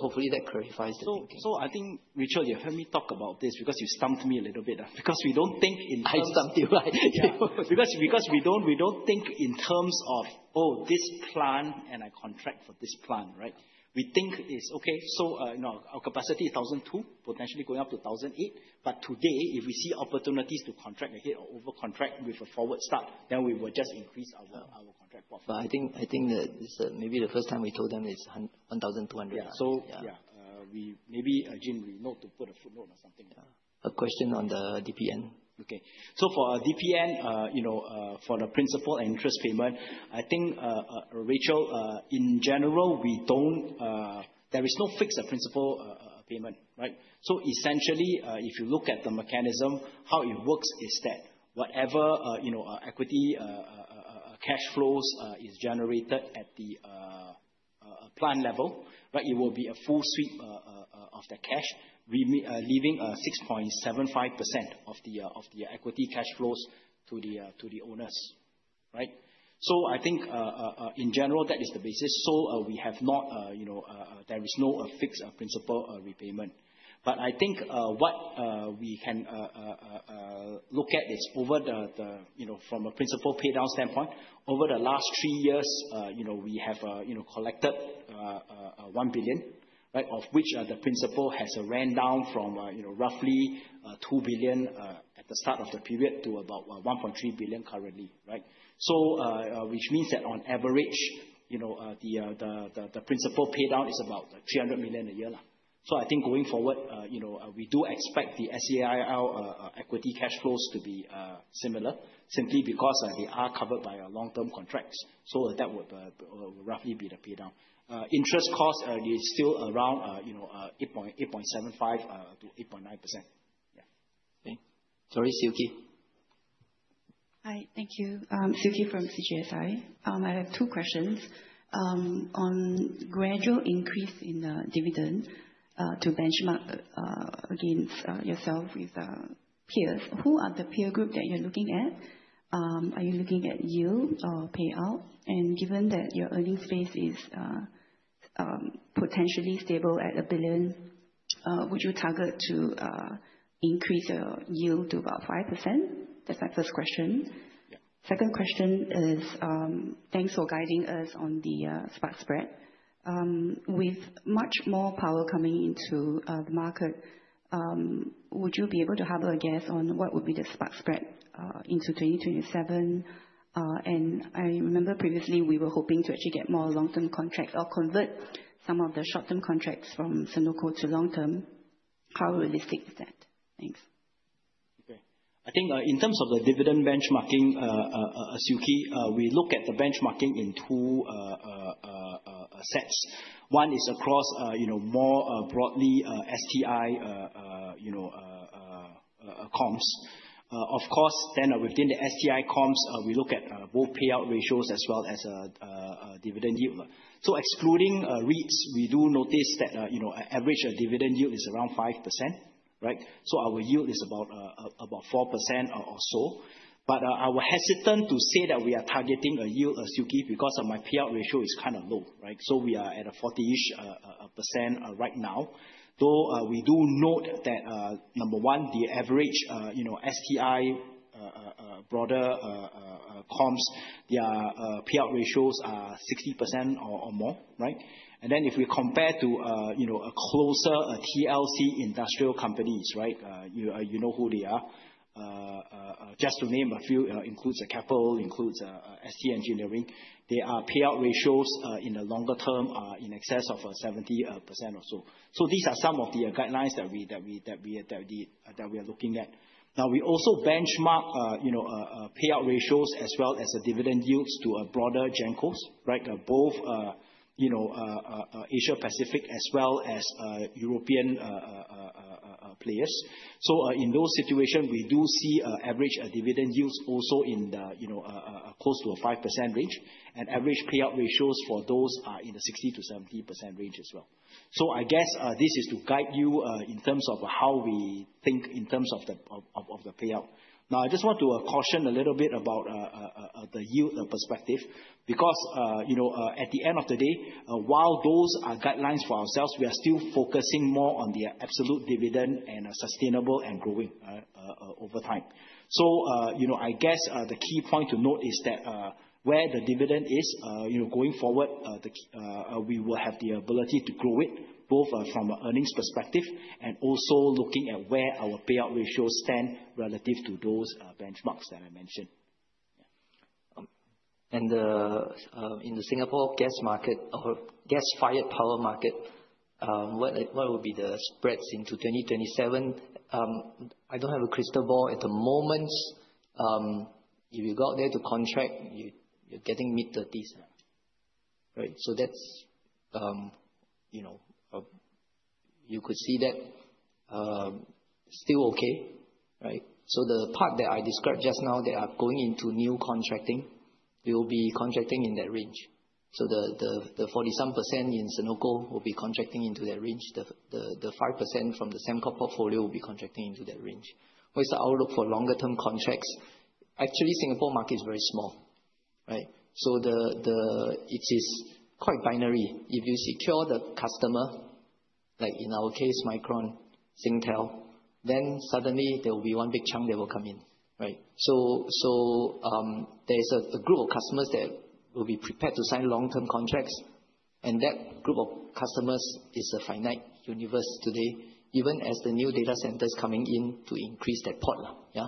hopefully that clarifies. I think, Richard, you heard me talk about this because you stumped me a little bit, because we don't think in terms- I stumped you, right? We don't think in terms of, oh, this plant, and I contract for this plant, right? We think is okay. You know, our capacity is 1,002, potentially going up to 1,008. Today, if we see opportunities to contract ahead or over-contract with a forward start, then we will just increase our contract portfolio. I think that this is maybe the first time we told them it's 1,200. Yeah. So- Yeah. We maybe, Jim, we note to put a footnote or something. Yeah. A question on the DPN. Okay. For our DPN, you know, for the principal and interest payment, I think Rachel, in general, there is no fixed principal payment, right? Essentially, if you look at the mechanism, how it works is that whatever, you know, equity cash flows is generated at the plant level, right, it will be a full sweep of the cash, leaving 6.75% of the equity cash flows to the owners, right? I think in general, that is the basis. We have not, you know, there is no fixed principal repayment. I think what we can look at is over the, you know, from a principal paydown standpoint, over the last 3 years, you know, we have, you know, collected 1 billion. Of which the principal has ran down from, you know, roughly 2 billion at the start of the period to about 1.3 billion currently. Which means that on average, you know, the principal paydown is about 300 million a year. I think going forward, you know, we do expect the SEIIL equity cash flows to be similar, simply because they are covered by long-term contracts. That would roughly be the paydown. interest costs are still around, you know, 8.75% to 8.9%. Okay. Sorry, Silky. Hi. Thank you. Silky from CGSI. I have two questions. On gradual increase in dividend, to benchmark against yourself with peers. Who are the peer group that you're looking at? Are you looking at yield or payout? Given that your earnings base is potentially stable at 1 billion, would you target to increase your yield to about 5%? That's my first question. Second question is, thanks for guiding us on the spark spread. With much more power coming into the market, would you be able to have a guess on what would be the spark spread into 2027? I remember previously, we were hoping to actually get more long-term contracts or convert some of the short-term contracts from Senoko to long term. How realistic is that? Thanks. Okay. I think, in terms of the dividend benchmarking, Silky, we look at the benchmarking in 2 steps. One is across, you know, more broadly, STI, you know, comps. Of course, within the STI comps, we look at both payout ratios as well as dividend yield. Excluding REITs, we do notice that, you know, average dividend yield is around 5%, right? Our yield is about 4% or so. I would hesitant to say that we are targeting a yield, Silky, because my payout ratio is kind of low, right? We are at a 40-ish% right now, though we do note that number one, the average, you know, STI broader comps, their payout ratios are 60% or more, right? If we compare to, you know, a closer SLC industrial companies, right, you know who they are, just to name a few, includes CapitaLand, includes ST Engineering. Their payout ratios in the longer term are in excess of 70% or so. These are some of the guidelines that we are looking at. We also benchmark, you know, payout ratios as well as the dividend yields to a broader gen cos, right? Both, you know, Asia Pacific as well as European players. In those situations, we do see average dividend yields also in the, you know, close to a 5% range, and average payout ratios for those are in the 60%-70% range as well. I guess, this is to guide you in terms of how we think in terms of the payout. I just want to caution a little bit about the yield perspective, because, you know, at the end of the day, while those are guidelines for ourselves, we are still focusing more on the absolute dividend and sustainable and growing over time. You know, I guess, the key point to note is that where the dividend is, you know, going forward, we will have the ability to grow it, both from an earnings perspective and also looking at where our payout ratios stand relative to those benchmarks that I mentioned. In the Singapore gas market or gas-fired power market, what will be the spreads into 2027? I don't have a crystal ball. At the moment, if you go out there to contract, you're getting mid-30s, right? That's, you know, you could see that still okay, right? The part that I described just now, they are going into new contracting, we will be contracting in that range. The 40-some % in Senoko will be contracting into that range. The 5% from the Sembcorp portfolio will be contracting into that range. What is the outlook for longer-term contracts? Actually, Singapore market is very small. Right? It is quite binary. If you secure the customer, like in our case, Micron, Singtel, then suddenly there will be one big chunk that will come in, right? There is a group of customers that will be prepared to sign long-term contracts, and that group of customers is a finite universe today, even as the new data centers coming in to increase that pot, yeah.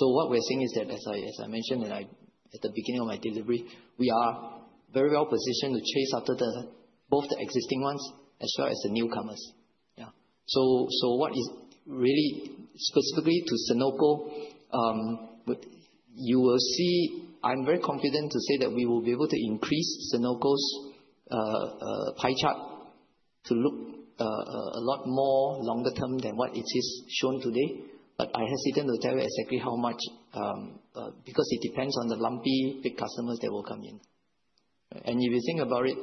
What we're seeing is that, as I mentioned, at the beginning of my delivery, we are very well positioned to chase after both the existing ones as well as the newcomers. Yeah. What is really specifically to Senoko, you will see I'm very confident to say that we will be able to increase Senoko's pie chart to look a lot more longer term than what it is shown today. I hesitant to tell you exactly how much, because it depends on the lumpy big customers that will come in. If you think about it,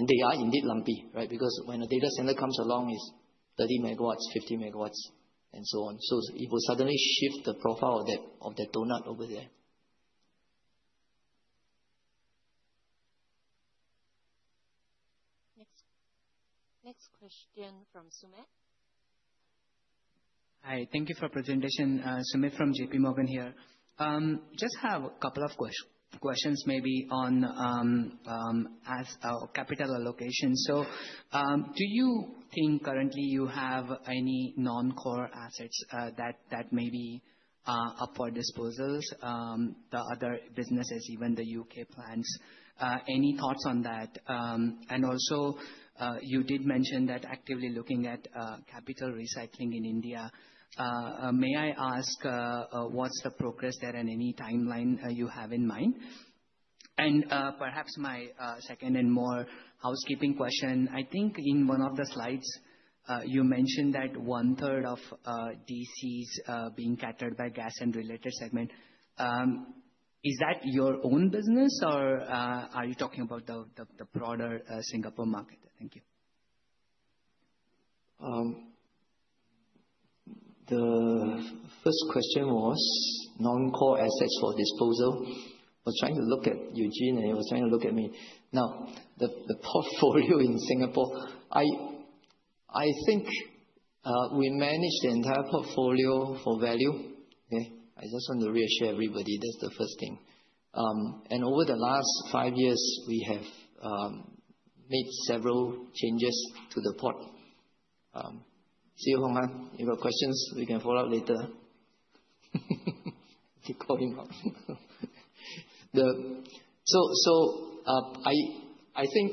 they are indeed lumpy, right? Because when a data center comes along, it's 30 megawatts, 50 megawatts, and so on. It will suddenly shift the profile of that, of that donut over there. Next question from Sumit. Hi, thank you for your presentation. Sumit from JP Morgan here. Just have a couple of questions maybe on as our capital allocation. Do you think currently you have any non-core assets that may be up for disposals, the other businesses, even the UK plans? Any thoughts on that? Also, you did mention that actively looking at capital recycling in India. May I ask what's the progress there, and any timeline you have in mind? Perhaps my second and more housekeeping question: I think in one of the slides, you mentioned that one-third of DCs being catered by Gas and Related Services segment. Is that your own business, or are you talking about the broader Singapore market? Thank you. The first question was non-core assets for disposal. I was trying to look at Eugene, and he was trying to look at me. The portfolio in Singapore, I think we manage the entire portfolio for value. Okay. I just want to reassure everybody, that's the first thing. Over the last five years, we have made several changes to the port. See you, Hong, huh? If you have questions, we can follow up later. Keep calling him. I think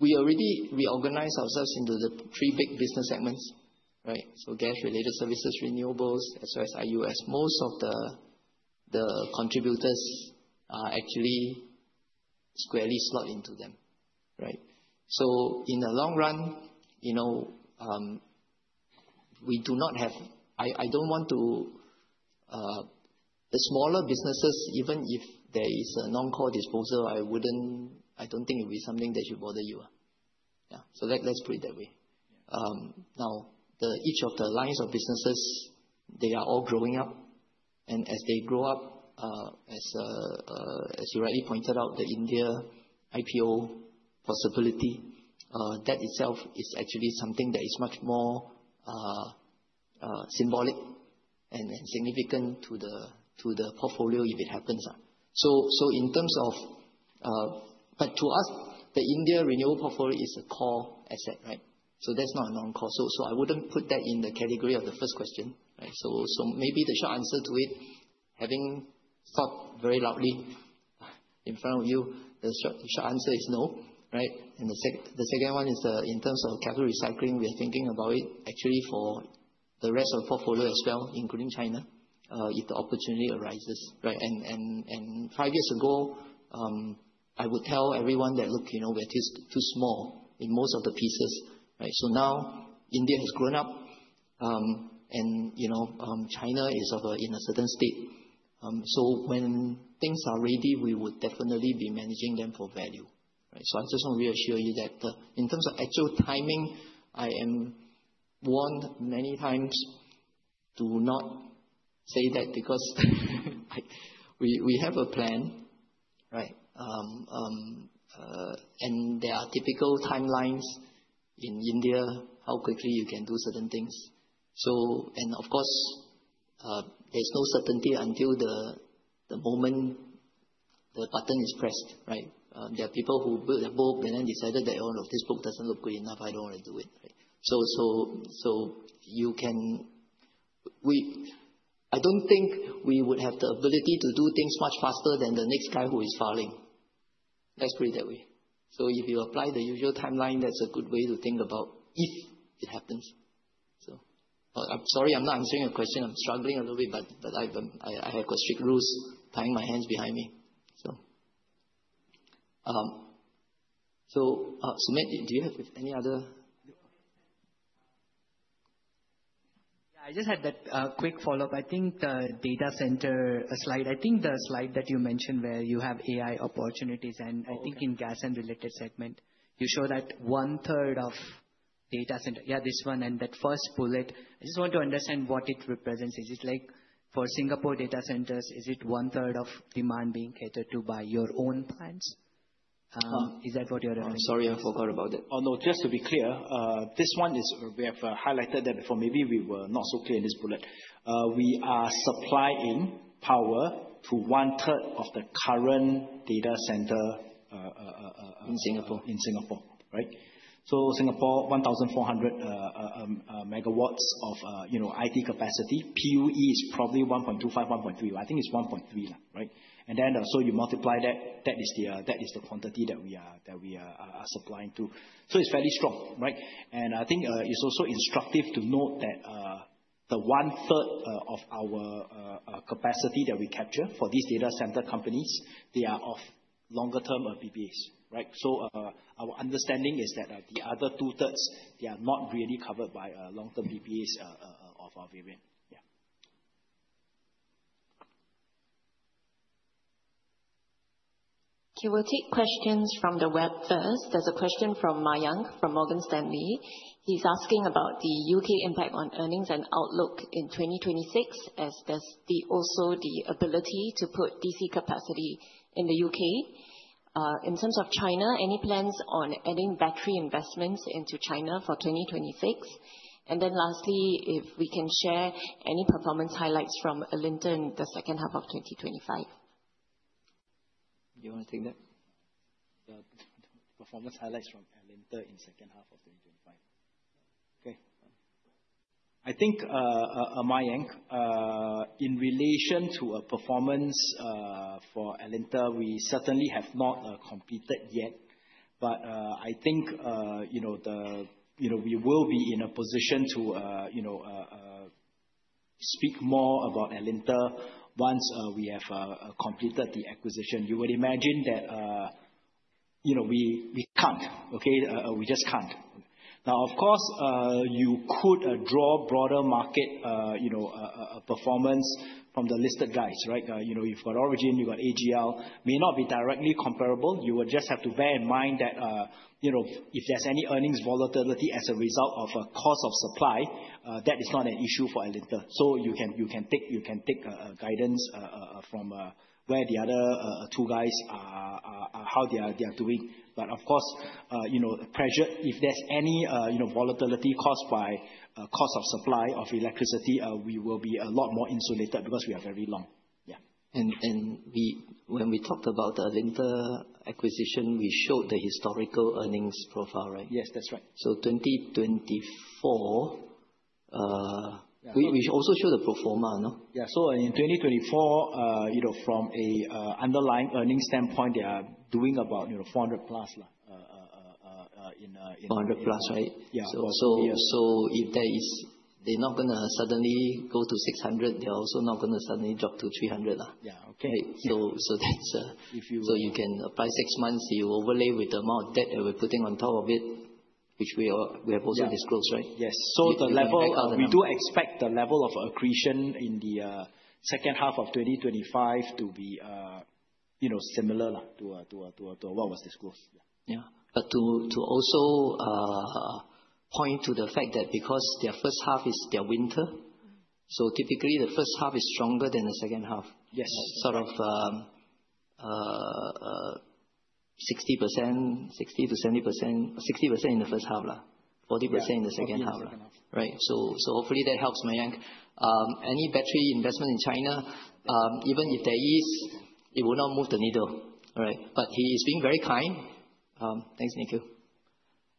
we already reorganized ourselves into the three big business segments, right? Gas and Related Services, renewables, as well as IUS. Most of the contributors are actually squarely slot into them, right? In the long run, you know, we do not have. I don't want to. The smaller businesses, even if there is a non-core disposal, I wouldn't, I don't think it would be something that should bother you. Yeah, let's put it that way. Now, each of the lines of businesses, they are all growing up, and as they grow up, as you rightly pointed out, the India IPO possibility, that itself is actually something that is much more symbolic and significant to the portfolio if it happens. In terms of... To us, the India renewable portfolio is a core asset, right? That's not a non-core. I wouldn't put that in the category of the first question, right? Maybe the short answer to it, having thought very loudly in front of you, the short answer is no, right? The second one is, in terms of capital recycling, we're thinking about it actually for the rest of the portfolio as well, including China, if the opportunity arises, right? Five years ago, I would tell everyone that, "Look, you know, that is too small in most of the pieces," right? Now India has grown up, and, you know, China is of a, in a certain state. When things are ready, we would definitely be managing them for value, right? I just want to reassure you that, in terms of actual timing, I am warned many times to not say that because we have a plan, right? There are typical timelines in India, how quickly you can do certain things. And of course, there's no certainty until the moment the button is pressed, right? There are people who built a book and then decided that, "Oh, no, this book doesn't look good enough. I don't want to do it," right? You can... I don't think we would have the ability to do things much faster than the next guy who is falling. Let's put it that way. If you apply the usual timeline, that's a good way to think about if it happens. I'm sorry, I'm not answering your question. I'm struggling a little bit, but I have got strict rules tying my hands behind me. Sumit, do you have any other? Yeah, I just had that quick follow-up. I think the data center slide, the slide that you mentioned where you have AI opportunities, and I think in Gas and Related Services segment, you show that one-third of data center. Yeah, this one, that first bullet, I just want to understand what it represents. Is it like for Singapore data centers, is it one-third of demand being catered to by your own plants? Is that what you're- I'm sorry, I forgot about that. Oh, no. Just to be clear, we have highlighted that before. Maybe we were not so clear in this bullet. We are supplying power to one-third of the current data center. In Singapore. In Singapore, right? Singapore, 1,400 MW of, you know, IT capacity. PUE is probably 1.25, 1.3. I think it's 1.3, right? You multiply that is the quantity that we are supplying to. It's fairly strong, right? I think, it's also instructive to note that the one-third of our capacity that we capture for these data center companies, they are of longer-term PPAs, right? Our understanding is that the other two-thirds, they are not really covered by long-term PPAs of our viewing. Yeah. Okay, we'll take questions from the web first. There's a question from Mayank, from Morgan Stanley. He's asking about the U.K. impact on earnings and outlook in 2026, as does also the ability to put D.C. capacity in the U.K. In terms of China, any plans on adding battery investments into China for 2026? Lastly, if we can share any performance highlights from Alinta in the second half of 2025. You want to take that? The performance highlights from Alinta in the second half of 2025. Okay. I think Mayank, in relation to a performance for Alinta, we certainly have not completed yet. I think, you know, the, you know, we will be in a position to, you know, speak more about Alinta once we have completed the acquisition. You would imagine that, you know, we can't, okay? We just can't. Of course, you could draw broader market, you know, a performance from the listed guys, right? You know, you've got Origin, you've got AGL. May not be directly comparable. You will just have to bear in mind that, you know, if there's any earnings volatility as a result of a cost of supply, that is not an issue for Alinta. You can take guidance from where the other two guys are how they are doing. Of course, you know, pressure, if there's any, you know, volatility caused by cost of supply of electricity, we will be a lot more insulated because we are very long. Yeah. When we talked about the Alinta acquisition, we showed the historical earnings profile, right? Yes, that's right. 2024. Yeah. We also showed the pro forma, no? Yeah. In 2024, you know, from a, underlying earnings standpoint, they are doing about, you know, 400 plus. 400 plus, right? Yeah. They're not gonna suddenly go to 600, they're also not gonna suddenly drop to 300. Yeah. Okay. that's. If you- You can, by six months, you overlay with the amount of debt that we're putting on top of it, which we have also disclosed, right? Yeah. Yes. the level-. We do expect the level of accretion in the second half of 2025 to be, you know, similar to what was disclosed. Yeah. Yeah. To also point to the fact that because their first half is their winter, so typically, the first half is stronger than the second half. Yes. Sort of, 60%, 60%-70%, 60% in the first half, 40%. Yeah in the second half. Second half. Right. Hopefully that helps, Mayank. Any battery investment in China, even if there is, it will not move the needle. All right? He's being very kind. Thanks, Nick.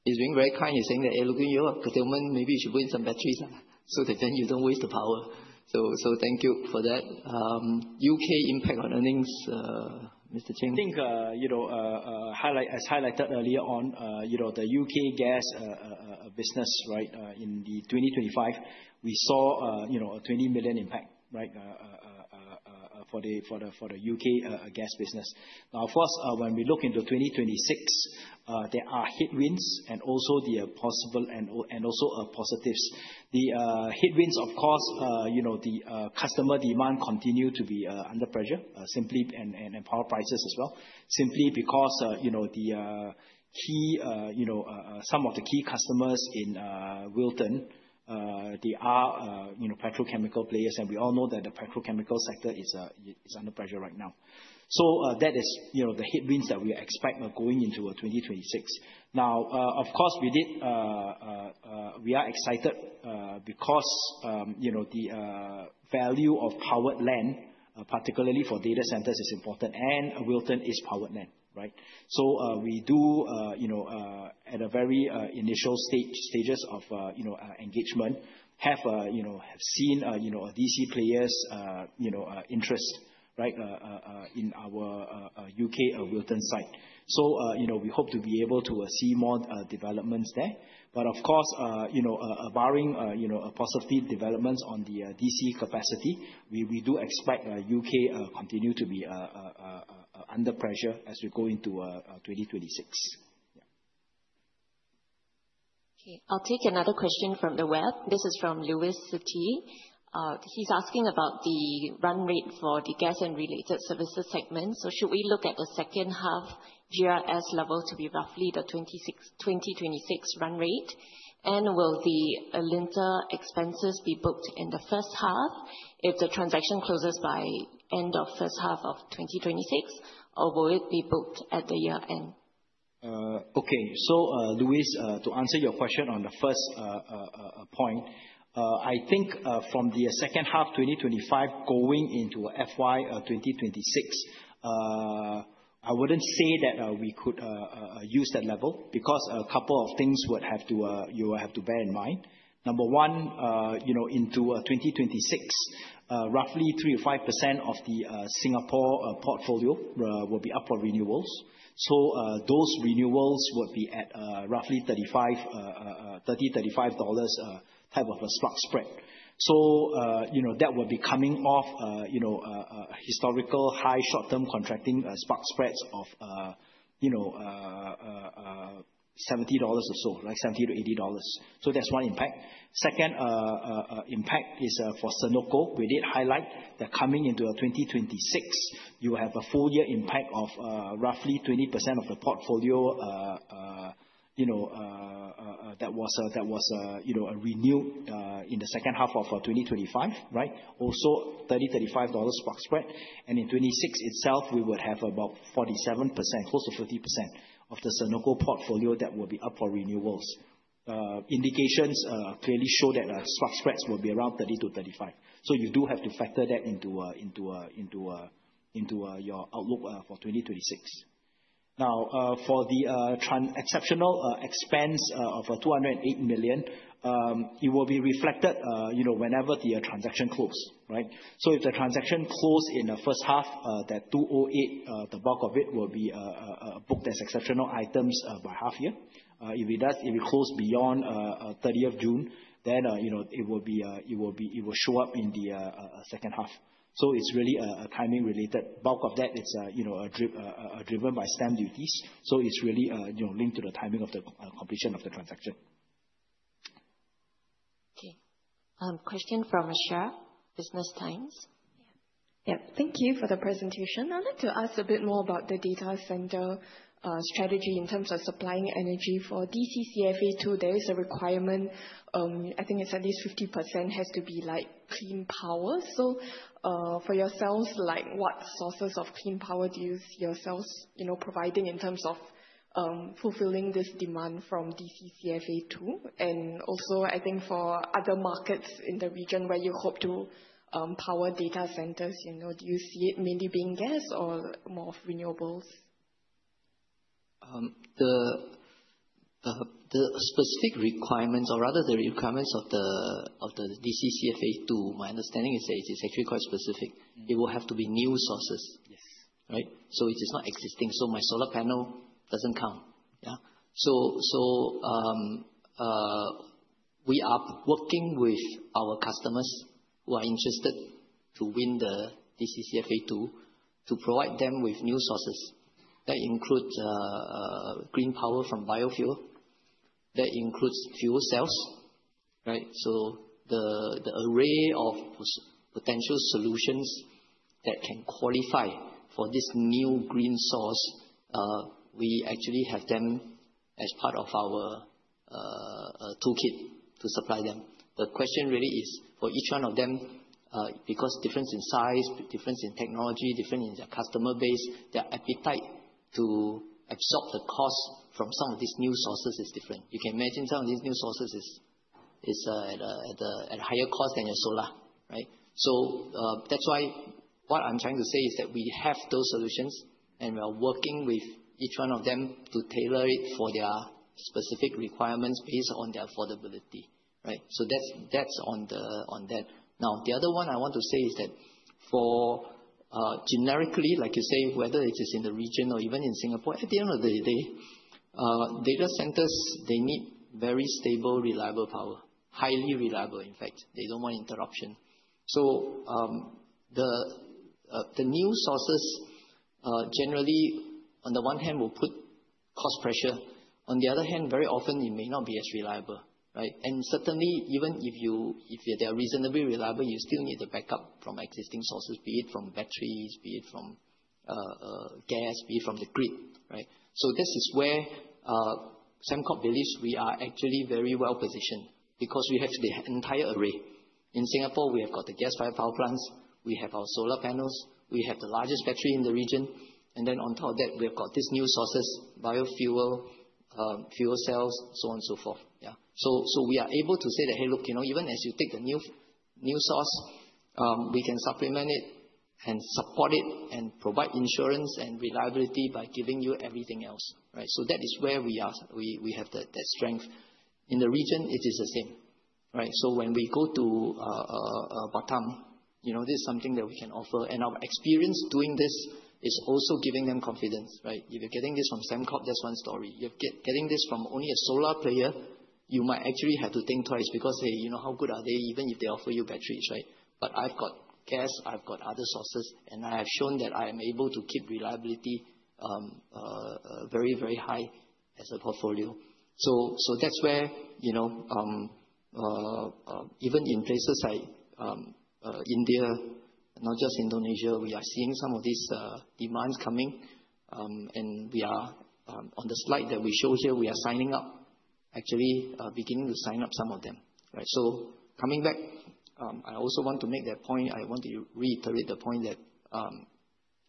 He's being very kind in saying that, "Hey, looking you up, containment, maybe you should put in some batteries, so that then you don't waste the power." Thank you for that. UK impact on earnings, Mr. Cheng? I think, you know, as highlighted earlier on, you know, the UK gas business, right, in 2025, we saw, you know, a 20 million impact, right, for the UK gas business. Of course, when we look into 2026, there are headwinds, and also the possible and also positives. The headwinds, of course, you know, the customer demand continue to be under pressure, simply and power prices as well. Simply because, you know, the key, you know, some of the key customers in Wilton, they are, you know, petrochemical players, and we all know that the petrochemical sector is under pressure right now. That is, you know, the headwinds that we expect going into 2026. Of course, we did, we are excited, because, you know, the value of powered land, particularly for data centers, is important, and Wilton is powered land, right? We do, you know, at a very initial stages of, you know, engagement, have, you know, have seen, you know, DC players, you know, interest, right, in our U.K. Wilton site. We hope to be able to see more developments there. Of course, you know, barring, you know, possible developments on the D.C. capacity, we do expect U.K. continue to be under pressure as we go into 2026. Yeah. Okay, I'll take another question from the web. This is from Louis Chua. He's asking about the run rate for the Gas and Related Services segment. Should we look at the GRS level to be roughly the 2026 run rate? Will the Alinta expenses be booked in the first half if the transaction closes by end of first half of 2026, or will it be booked at the year end? Okay. Louise, to answer your question on the first point, I think from the second half 2025 going into FY 2026, I wouldn't say that we could use that level, because a couple of things you will have to bear in mind. Number one, you know, into 2026, roughly 3%-5% of the Singapore portfolio will be up for renewals. Those renewals will be at roughly $35, $30-$35 type of a spark spread. You know, that will be coming off, you know, historical high short-term contracting spark spreads of, you know, $70 or so, like $70-$80. That's one impact. Second, impact is for Senoko. We did highlight that coming into 2026, you have a full year impact of roughly 20% of the portfolio, you know, that was a, that was, you know, a renewed in the second half of 2025, right? Also, $30-$35 spark spread. In 2026 itself, we would have about 47%, close to 50%, of the Senoko portfolio that will be up for renewals. Indications clearly show that spark spreads will be around $30-$35. You do have to factor that into your outlook for 2026. Now, for the exceptional expense of 208 million, it will be reflected, you know, whenever the transaction close, right? If the transaction close in the first half, that 208, the bulk of it will be booked as exceptional items by half-year. If it does, it will close beyond 30th June, then, you know, it will show up in the second half. It's really a timing-related. Bulk of that is, you know, driven by stamp duties. It's really, you know, linked to the timing of the completion of the transaction. Okay. Question from Asha, Business Times. Yep. Thank you for the presentation. I'd like to ask a bit more about the data center strategy in terms of supplying energy. For DC-CFA2, there is a requirement, I think it's at least 50%, has to be like clean power. For yourselves, like, what sources of clean power do you see yourselves, you know, providing in terms of fulfilling this demand from DC-CFA2? I think for other markets in the region where you hope to power data centers, you know, do you see it mainly being gas or more of renewables? The specific requirements or rather the requirements of the DC-CFA2, my understanding is that it is actually quite specific. It will have to be new sources. Yes. Right? It is not existing, so my solar panel doesn't count. We are working with our customers who are interested to win the DC-CFA2, to provide them with new sources. That includes green power from biofuel. That includes fuel cells, right? The array of potential solutions that can qualify for this new green source, we actually have them as part of our toolkit to supply them. The question really is, for each one of them, because difference in size, difference in technology, difference in their customer base, their appetite to absorb the cost from some of these new sources is different. You can imagine some of these new sources is at a higher cost than a solar, right? That's why what I'm trying to say is that we have those solutions, and we are working with each one of them to tailor it for their specific requirements based on the affordability, right? That's, that's on the, on that. The other one I want to say is that for, generically, like you say, whether it is in the region or even in Singapore, at the end of the day, data centers, they need very stable, reliable power. Highly reliable, in fact. They don't want interruption. The new sources, generally, on the one hand, will put cost pressure. On the other hand, very often it may not be as reliable, right? Certainly, even if you, if they are reasonably reliable, you still need a backup from existing sources, be it from batteries, be it from gas, be it from the grid, right? This is where Sembcorp believes we are actually very well positioned, because we have the entire array. In Singapore, we have got the gas-fired power plants, we have our solar panels, we have the largest battery in the region, and then on top of that, we've got these new sources, biofuel, fuel cells, so on and so forth. Yeah. We are able to say that, "Hey, look, you know, even as you take the new source, we can supplement it and support it, and provide insurance and reliability by giving you everything else," right? That is where we are. We have that strength. In the region, it is the same, right? When we go to Batam, you know, this is something that we can offer, and our experience doing this is also giving them confidence, right? If you're getting this from Sembcorp, that's one story. If getting this from only a solar player, you might actually have to think twice because, hey, you know, how good are they, even if they offer you batteries, right? I've got gas, I've got other sources, and I have shown that I am able to keep reliability very, very high as a portfolio. That's where, you know, even in places like India, not just Indonesia, we are seeing some of these demands coming. We are, on the slide that we showed here, we are signing up, actually, beginning to sign up some of them, right? Coming back, I also want to make that point. I want to reiterate the point that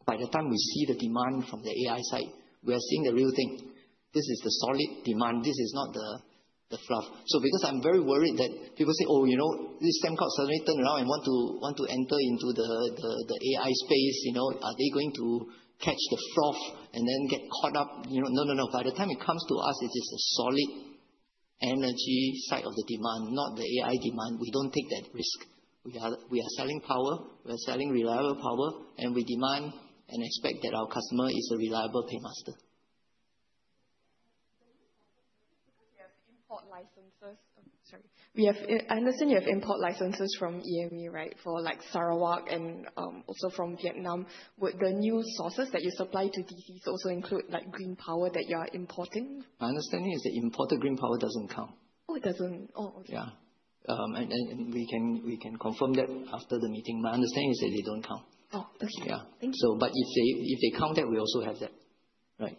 by the time we see the demand from the AI side, we are seeing the real thing. This is the solid demand. This is not the fluff. Because I'm very worried that people say, "Oh, you know, this Sembcorp suddenly turned around and want to enter into the AI space, you know, are they going to catch the fluff and then get caught up?" You know? No, no. By the time it comes to us, it is a solid energy side of the demand, not the AI demand. We don't take that risk. We are selling power. We are selling reliable power, and we demand and expect that our customer is a reliable paymaster. We have, I understand you have import licenses from EMA, right? For, like, Sarawak and also from Vietnam. Would the new sources that you supply to D.C. also include, like, green power that you are importing? My understanding is that imported green power doesn't count. Oh, it doesn't. Oh, okay. Yeah. We can confirm that after the meeting, but my understanding is that they don't count. Oh, okay. Yeah. Thank you. If they, if they count that, we also have that, right?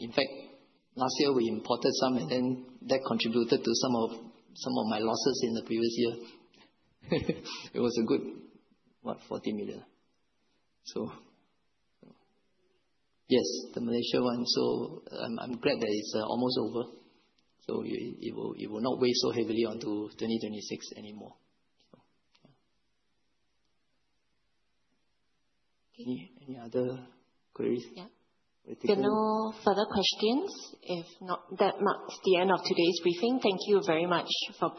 In fact, last year we imported some, and then that contributed to some of, some of my losses in the previous year. It was a good, what? 40 million. Yes, the Malaysia one, I'm glad that it's almost over. It will not weigh so heavily onto 2026 anymore. Yeah. Okay. Any other queries? Yeah. Okay. There are no further questions. If not, that marks the end of today's briefing. Thank you very much for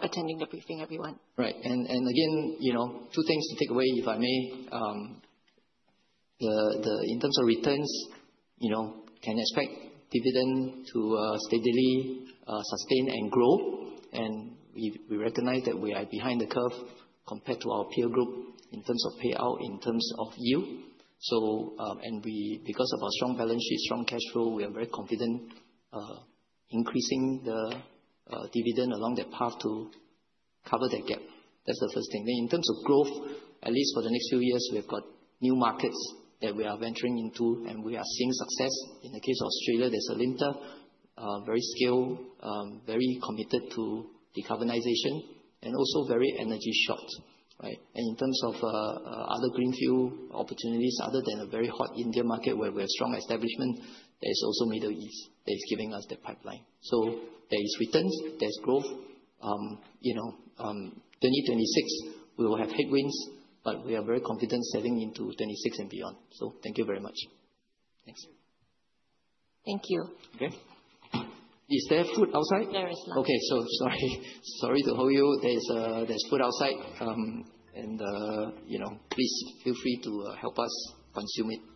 attending the briefing, everyone. Right. Again, you know, two things to take away, if I may. In terms of returns, you know, can expect dividend to steadily sustain and grow, and we recognize that we are behind the curve compared to our peer group in terms of payout, in terms of yield. Because of our strong balance sheet, strong cash flow, we are very confident increasing the dividend along that path to cover that gap. That's the first thing. In terms of growth, at least for the next few years, we've got new markets that we are venturing into, and we are seeing success. In the case of Australia, there's Alinta, very skilled, very committed to decarbonization and also very energy-short, right? In terms of other greenfield opportunities, other than a very hot India market where we have strong establishment, there is also Middle East that is giving us that pipeline. There is returns, there's growth. You know, 2026, we will have headwinds, but we are very confident sailing into 2026 and beyond. Thank you very much. Thanks. Thank you. Okay. Is there food outside? There is none. Okay. Sorry. Sorry to hold you. There's food outside, and, you know, please feel free to help us consume it.